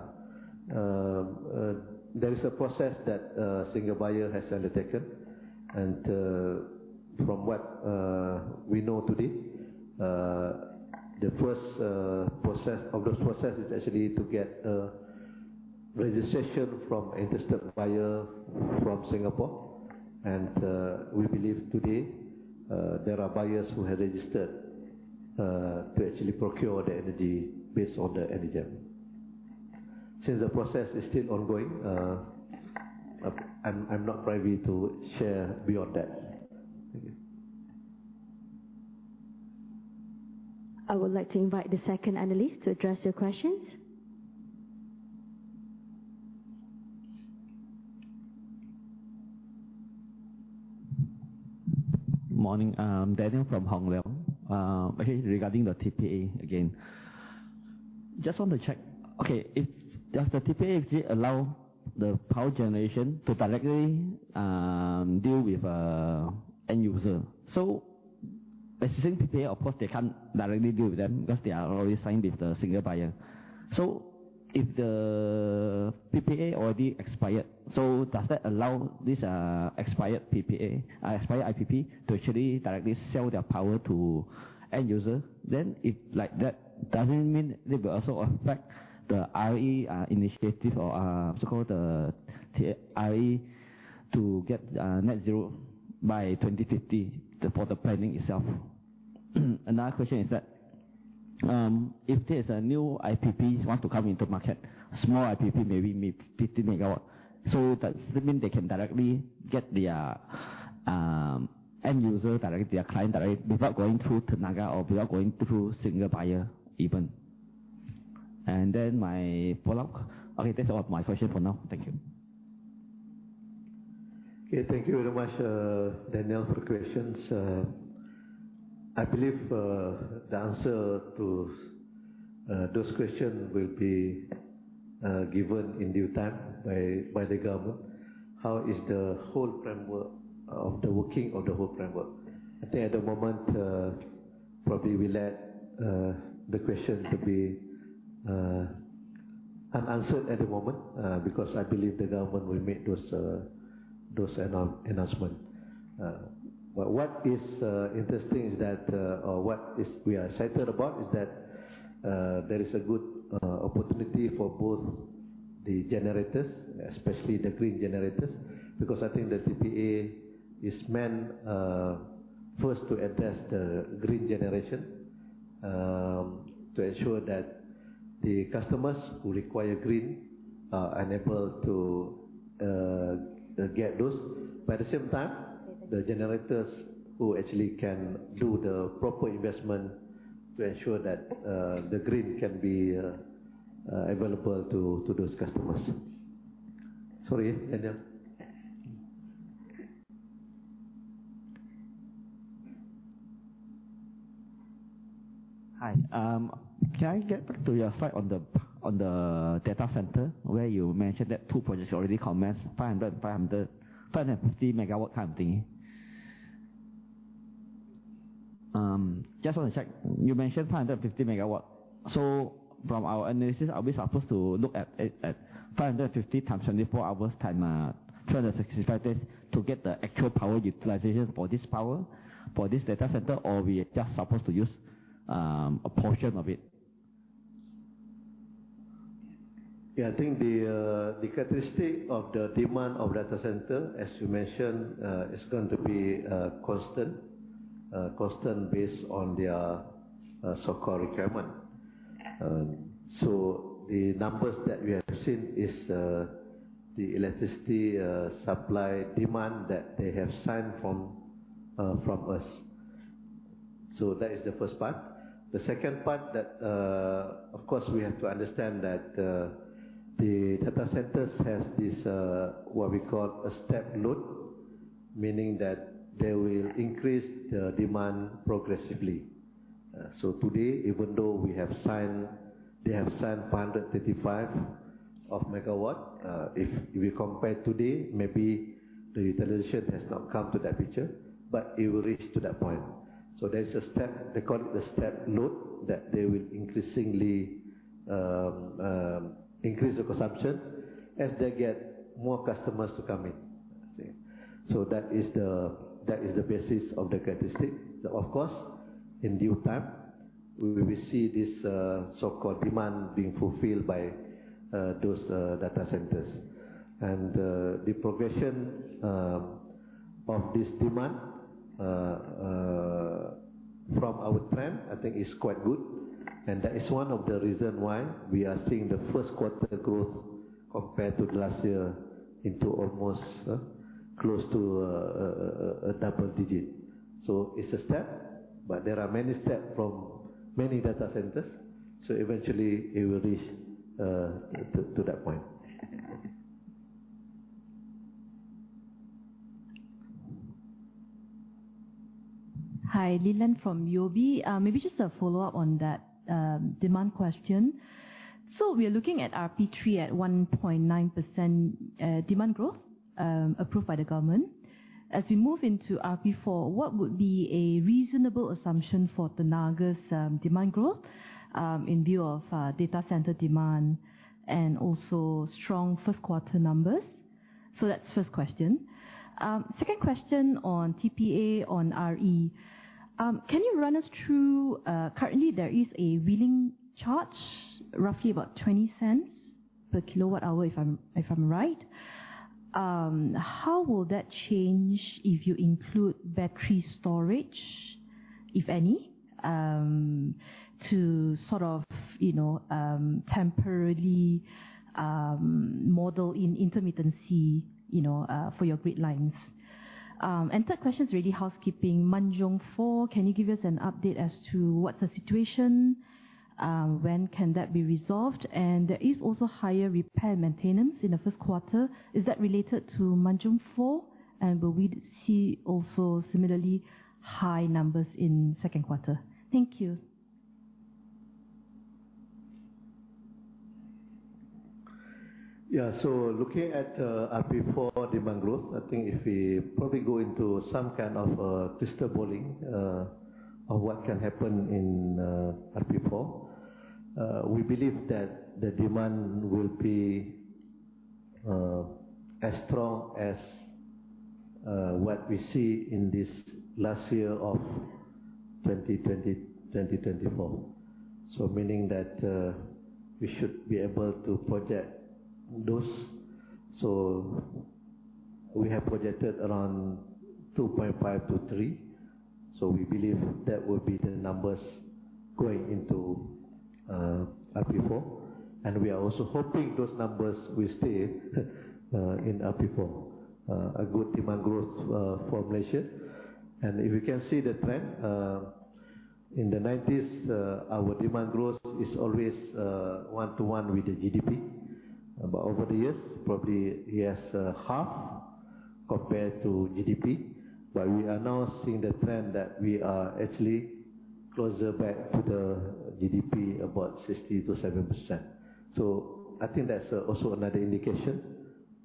There is a process that Single Buyer has undertaken, and from what we know today, the first process of those process is actually to GET a registration from interested buyer from Singapore. We believe today there are buyers who have registered to actually procure the energy based on the ENEGEM. Since the process is still ongoing, I'm not privy to share beyond that. Thank you. I would like to invite the second analyst to address your questions. Morning. Daniel from Hong Leong. Okay, regarding the TPA again. Just want to check. Okay, if does the TPA actually allow the power generation to directly deal with end user? So existing TPA, of course, they can't directly deal with them because they are already signed with the Single Buyer. So if the TPA already expired, so does that allow this expired PPA, expired IPP to actually directly sell their power to end user? Then if like that, doesn't mean they will also affect the RE initiative or so-called the RE to GET net zero by 2050, the for the planning itself. Another question is that, if there's a new IPP want to come into market, small IPP, maybe mid 50 megawatt, so does it mean they can directly GET their, end user directly, their client directly, without going through Tenaga or without going through Single Buyer even? And then my follow-up... Okay, that's all my question for now. Thank you. Okay, thank you very much, Daniel, for the questions. I believe the answer to those questions will be given in due time by the government. How is the whole framework of the working of the whole framework? I think at the moment, probably we let the question to be unanswered at the moment, because I believe the government will make those announcement. But what is interesting is that, or what is we are excited about is that, there is a good opportunity for both the generators, especially the green generators. Because I think the TPA is meant first to address the green generation, to ensure that the customers who require green are enabled to GET those. But at the same time, the generators who actually can do the proper investment to ensure that the green can be available to those customers. Sorry, Daniel?... Hi, can I GET back to your site on the, on the data center, where you mentioned that two projects already commenced, 500, 500, 550 MW kind of thingy? Just want to check. You mentioned 550 MW. So from our analysis, are we supposed to look at 550 times 24 hours, times 365 days to GET the actual power utilization for this power, for this data center, or we are just supposed to use a portion of it? Yeah, I think the characteristic of the demand of data center, as you mentioned, is going to be constant. Constant based on their so-called requirement. So the numbers that we have seen is the electricity supply demand that they have signed from us. So that is the first part. The second part that, of course, we have to understand that the data centers has this what we call a step load, meaning that they will increase the demand progressively. So today, even though we have signed—they have signed 535 MW, if we compare today, maybe the utilization has not come to that picture, but it will reach to that point. So there is a step, we call it the step load, that they will increasingly increase the consumption as they GET more customers to come in. So that is the, that is the basis of the characteristic. So of course, in due time, we will see this so-called demand being fulfilled by those data centers. And the progression of this demand from our plan, I think is quite good, and that is one of the reasons why we are seeing the first quarter growth compared to last year into almost close to a double digit. So it's a step, but there are many steps from many data centers, so eventually it will reach to that point. Hi, Lilian from UOB. Maybe just a follow-up on that, demand question. So we are looking at RP3 at 1.9%, demand growth, approved by the government. As we move into RP4, what would be a reasonable assumption for Tenaga's, demand growth, in view of, data center demand and also strong first quarter numbers? So that's first question. Second question on TPA, on RE. Can you run us through, currently, there is a wheeling charge, roughly about 0.20 per kWh, if I'm, if I'm right. How will that change if you include Battery storage, if any? To sort of, you know, temporarily, model in intermittency, you know, for your grid lines. And third question is really housekeeping. Manjung 4, can you give us an update as to what's the situation? When can that be resolved? And there is also higher repair and maintenance in the first quarter. Is that related to Manjung 4, and will we see also similarly high numbers in second quarter? Thank you. Yeah. So looking at RP4 demand growth, I think if we probably go into some kind of crystal balling on what can happen in RP4, we believe that the demand will be as strong as what we see in this last year of 2020-2024. So meaning that, we should be able to project those. So we have projected around 2.5-3. So we believe that will be the numbers going into RP4, and we are also hoping those numbers will stay in RP4. A good demand growth for Malaysia. And if you can see the trend in the 1990s, our demand growth is always 1:1 with the GDP. But over the years, probably yes, half compared to GDP, but we are now seeing the trend that we are actually closer back to the GDP, about 60%-70%. So I think that's also another indication,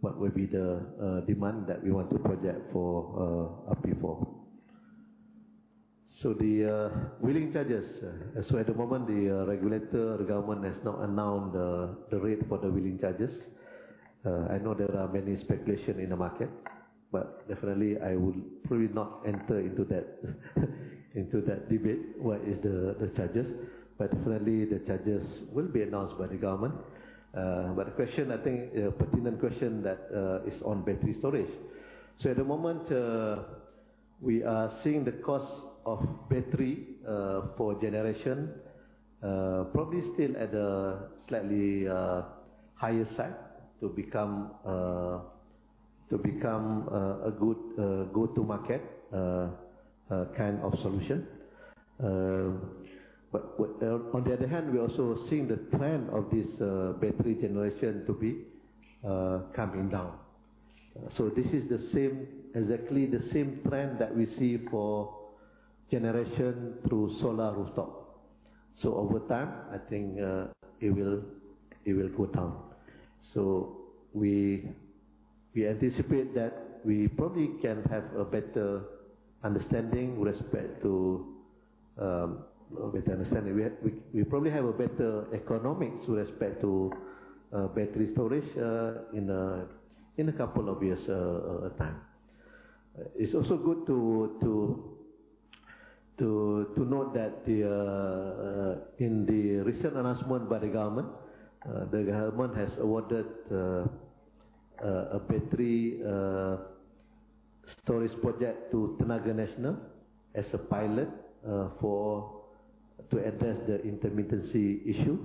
what will be the demand that we want to project for RP4. So the wheeling charges. So at the moment, the regulator, the government has not announced the rate for the wheeling charges. I know there are many speculation in the market, but definitely I would probably not enter into that, into that debate, what is the charges. But definitely the charges will be announced by the government. But the question, I think a pertinent question that is on Battery storage. So at the moment, we are seeing the cost of battery for generation probably still at a slightly higher side to become a good go-to-market kind of solution. But what... On the other hand, we are also seeing the trend of this battery generation to be coming down... So this is the same, exactly the same trend that we see for generation through solar rooftop. So over time, I think it will go down. So we anticipate that we probably can have a better understanding with respect to a better understanding. We probably have a better economics with respect to Battery storage in a couple of years time. It's also good to note that in the recent announcement by the government, the government has awarded a Battery storage project to Tenaga Nasional as a pilot for-- to address the intermittency issue.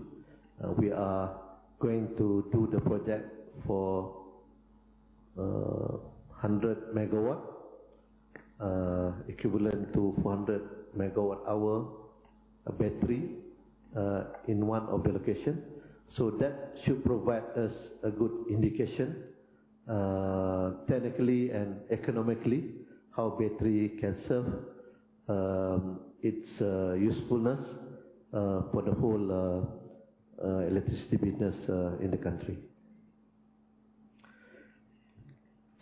We are going to do the project for 100 megawatts, equivalent to 400 megawatt hours of battery in one of the location. So that should provide us a good indication, technically and economically, how battery can serve its usefulness for the whole electricity business in the country.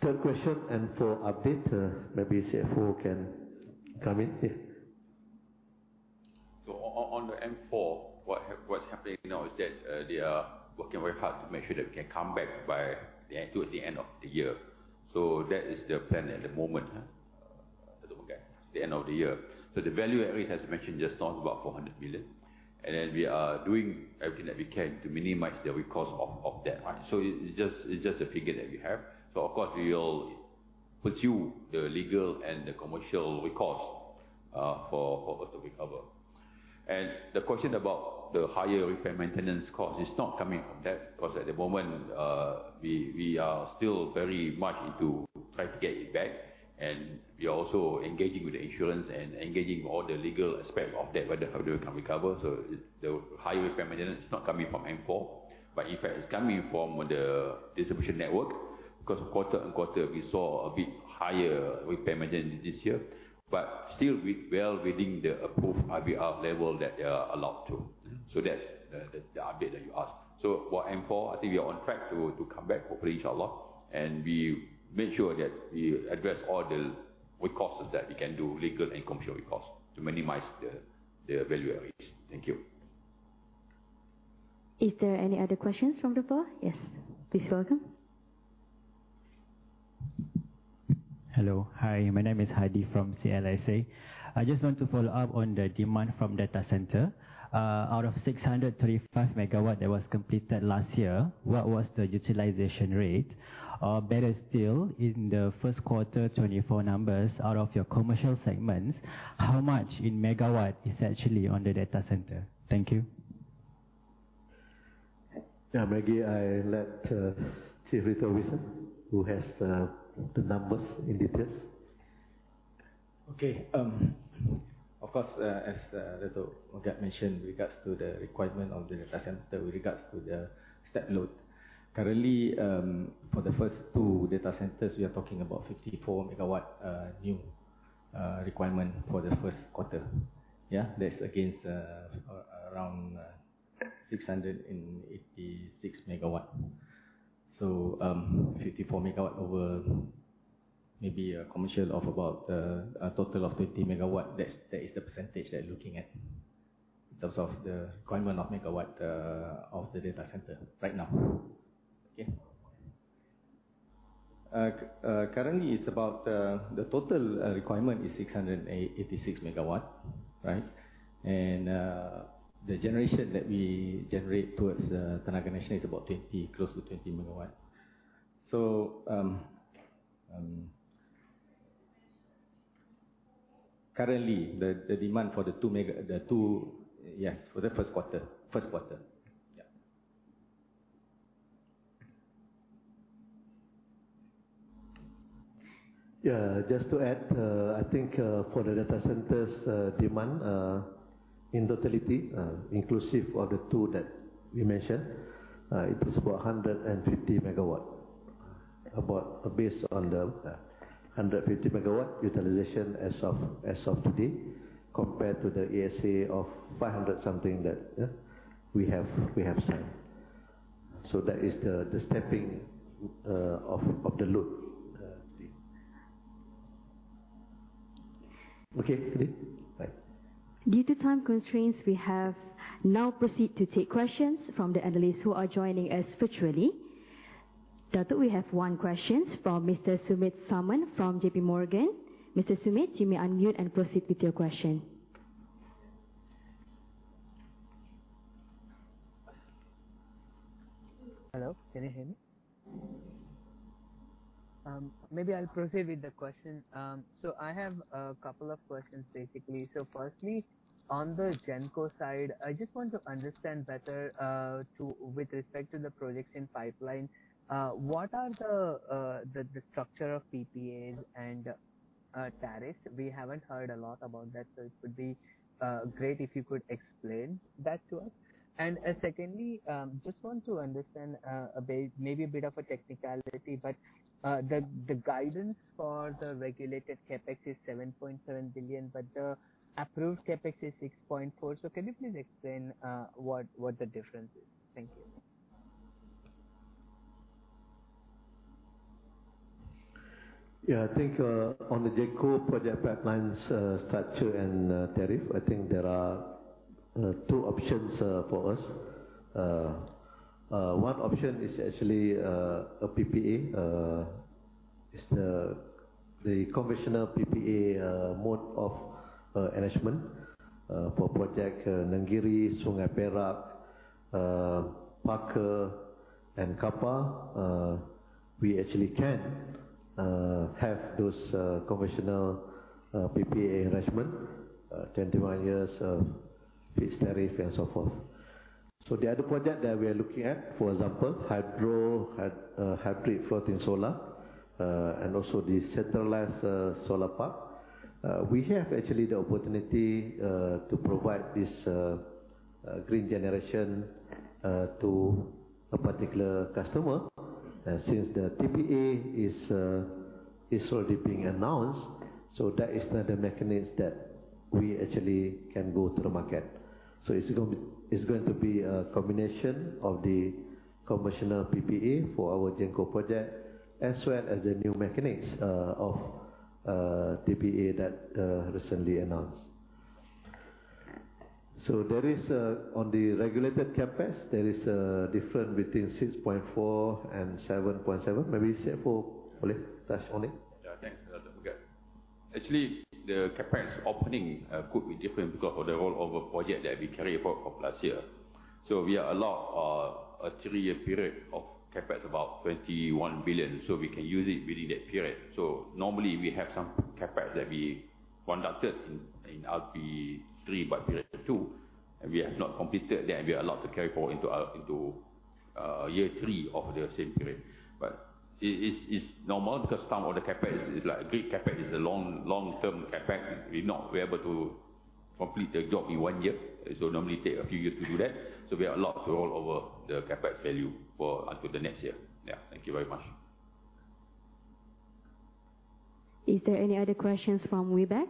Third question, and for update, maybe CFO can come in. Yeah. So on the M4, what's happening now is that they are working very hard to make sure that we can come back by the end towards the end of the year. So that is the plan at the moment, huh? I don't GET the end of the year. So the value that he has mentioned just now is about 400 million, and then we are doing everything that we can to minimize the recourse of that, right? So it's just a figure that we have. So of course, we will pursue the legal and the commercial recourse for us to recover. And the question about the higher repair and maintenance cost is not coming from that, because at the moment, we are still very much into trying to GET it back. And we are also engaging with the insurance and engaging all the legal aspect of that, whether how we can recover. So the high repair and maintenance is not coming from M4, but in fact, it's coming from the distribution network, because quarter-over-quarter, we saw a bit higher repair and maintenance this year. But still well within the approved IBR level that they are allowed to. So that's the update that you asked. So for M4, I think we are on track to come back, hopefully, inshallah, and we make sure that we address all the recourses that we can do, legal and commercial recourses, to minimize the value at risk. Thank you. Is there any other questions from the floor? Yes, please welcome. Hello, hi, my name is Hadi from CLSA. I just want to follow up on the demand from data center. Out of 635 MW that was completed last year, what was the utilization rate? Or better still, in the first quarter 2024 numbers, out of your commercial segments, how much in MW is actually on the data center? Thank you. Yeah, maybe I let Chief Retail Officer, who has the numbers in detail. Okay, of course, as Dato' Megat mentioned, regards to the requirement of the data center with regards to the step load. Currently, for the first two data centers, we are talking about 54 MW new requirement for the first quarter. Yeah, that's against around 686 MW. So, 54 MW over maybe a commercial of about a total of 50 MW. That's, that is the percentage that you're looking at, in terms of the requirement of MW of the data center right now. Okay? Currently, it's about the total requirement is 686 MW, right? The generation that we generate towards Tenaga Nasional is about 20 MW, close to 20 MW. Currently, the demand for the two mega- the two... Yes, for the first quarter, first quarter. Yeah. Yeah, just to add, I think, for the data centers, demand, in totality, inclusive of the two that we mentioned, it is about 150 MW. Based on the 150 MW utilization as of today, compared to the ESA of 500 something that we have signed. So that is the stepping of the load. Okay, bye. Due to time constraints, we have now proceeded to take questions from the analysts who are joining us virtually. Dato', we have one question from Mr. Sumit Suman from J.P. Morgan. Mr. Sumit, you may unmute and proceed with your question. Hello, can you hear me? Maybe I'll proceed with the question. So I have a couple of questions, basically. So firstly, on the Genco side, I just want to understand better, with respect to the projects in pipeline, what are the structure of PPAs and,... tariff. We haven't heard a lot about that, so it would be great if you could explain that to us. And secondly, just want to understand a bit—maybe a bit of a technicality, but the guidance for the regulated CapEx is 7.7 billion, but the approved CapEx is 6.4 billion. So can you please explain what the difference is? Thank you. Yeah, I think on the Genco project pipelines structure and tariff, I think there are two options for us. One option is actually a PPA, the conventional PPA mode of enhancement for project Nenggiri, Sungai Perak, Paka, and Kapar. We actually can have those conventional PPA arrangement 21 years of fixed tariff and so forth. So the other project that we are looking at, for example, hydro hybrid floating solar, and also the centralized solar park. We have actually the opportunity to provide this green generation to a particular customer since the TPA is already being announced. So that is another mechanism that we actually can go to the market. So it's going to be a combination of the commercial PPA for our Genco project, as well as the new mechanics of TPA that recently announced. So there is on the regulated CapEx, there is a difference between 6.4 and 7.7. Maybe CFO, Nazmi? That's Nazmi. Yeah, thanks, Dato' Megat. Actually, the CapEx opening could be different because of the rollover project that we carry forward from last year. So we are allowed a three-year period of CapEx, about 21 billion, so we can use it within that period. So normally, we have some CapEx that we conducted in RP3, but period 2, and we have not completed that, and we are allowed to carry forward into year three of the same period. But it's normal because some of the CapEx is like a Grid CapEx, is a long, long-term CapEx. We not be able to complete the job in one year, so normally take a few years to do that. So we are allowed to roll over the CapEx value for up to the next year. Yeah. Thank you very much. Is there any other questions from Webex?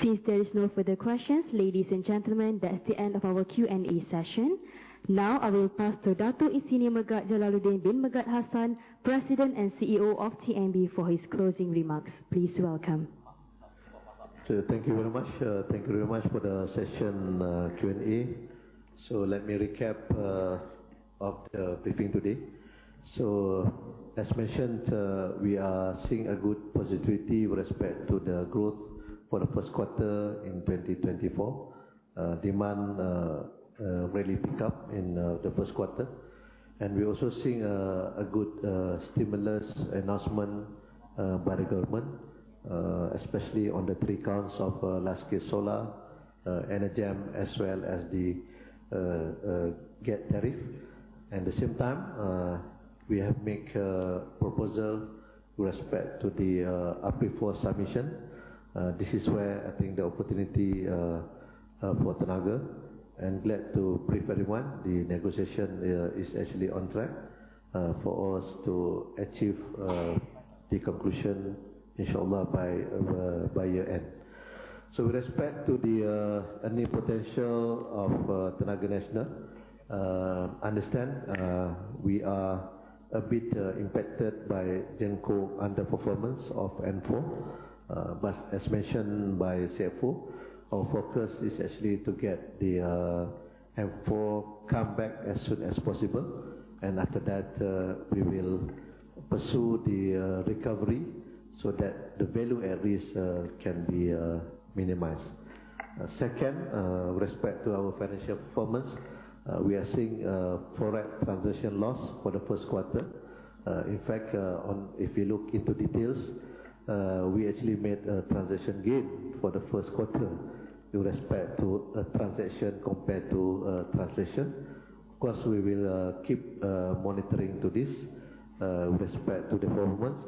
Since there is no further questions, ladies and gentlemen, that's the end of our Q&A session. Now, I will pass to Dato' Ir. Megat Jalaluddin bin Megat Hassan, President and CEO of TNB, for his closing remarks. Please welcome. So thank you very much. Thank you very much for the session, Q&A. So let me recap of the briefing today. So as mentioned, we are seeing a good positivity with respect to the growth for the first quarter in 2024. Demand really pick up in the first quarter, and we're also seeing a good stimulus announcement by the government, especially on the three counts of LSS, ENEGEM, as well as the GET tariff. At the same time, we have make a proposal with respect to the RP4 submission. This is where I think the opportunity for Tenaga, and glad to brief everyone the negotiation is actually on track for us to achieve the conclusion, inshallah, by year-end. So with respect to the any potential of Tenaga Nasional, understand, we are a bit impacted by Genco underperformance of M4. But as mentioned by CFO, our focus is actually to GET the M4 come back as soon as possible, and after that, we will pursue the recovery so that the value at risk can be minimized. Second, with respect to our financial performance, we are seeing foreign translation loss for the first quarter. In fact, if you look into details, we actually made a translation gain for the first quarter with respect to transaction compared to translation. Of course, we will keep monitoring to this with respect to the performance.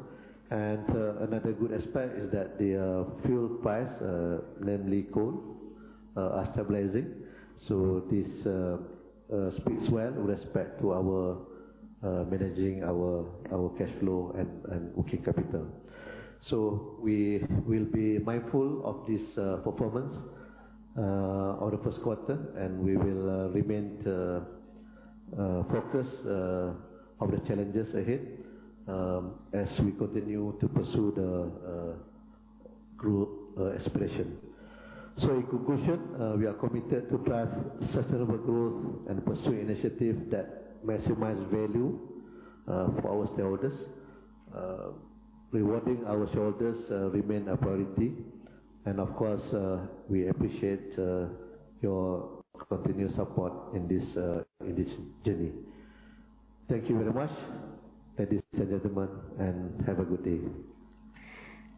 Another good aspect is that the fuel price, namely coal, are stabilizing. So this speaks well with respect to our managing our cash flow and working capital. So we will be mindful of this performance on the first quarter, and we will remain focused on the challenges ahead, as we continue to pursue the growth expansion. So in conclusion, we are committed to drive sustainable growth and pursue initiatives that maximize value for our shareholders. Rewarding our shareholders remain a priority, and of course, we appreciate your continuous support in this journey. Thank you very much, ladies and gentlemen, and have a good day.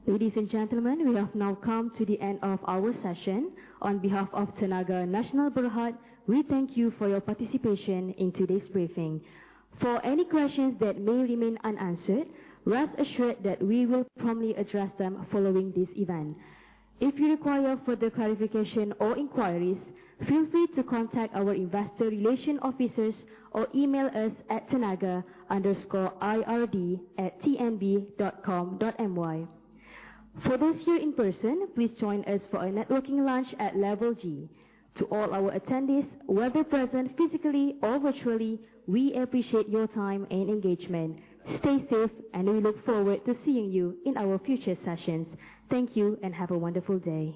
Ladies and gentlemen, we have now come to the end of our session. On behalf of Tenaga Nasional Berhad, we thank you for your participation in today's briefing. For any questions that may remain unanswered, rest assured that we will promptly address them following this event. If you require further clarification or inquiries, feel free to contact our investor relation officers or email us at tenaga_ird@tnb.com.my. For those here in person, please join us for a networking lunch at Level G. To all our attendees, whether present, physically or virtually, we appreciate your time and engagement. Stay safe, and we look forward to seeing you in our future sessions. Thank you, and have a wonderful day.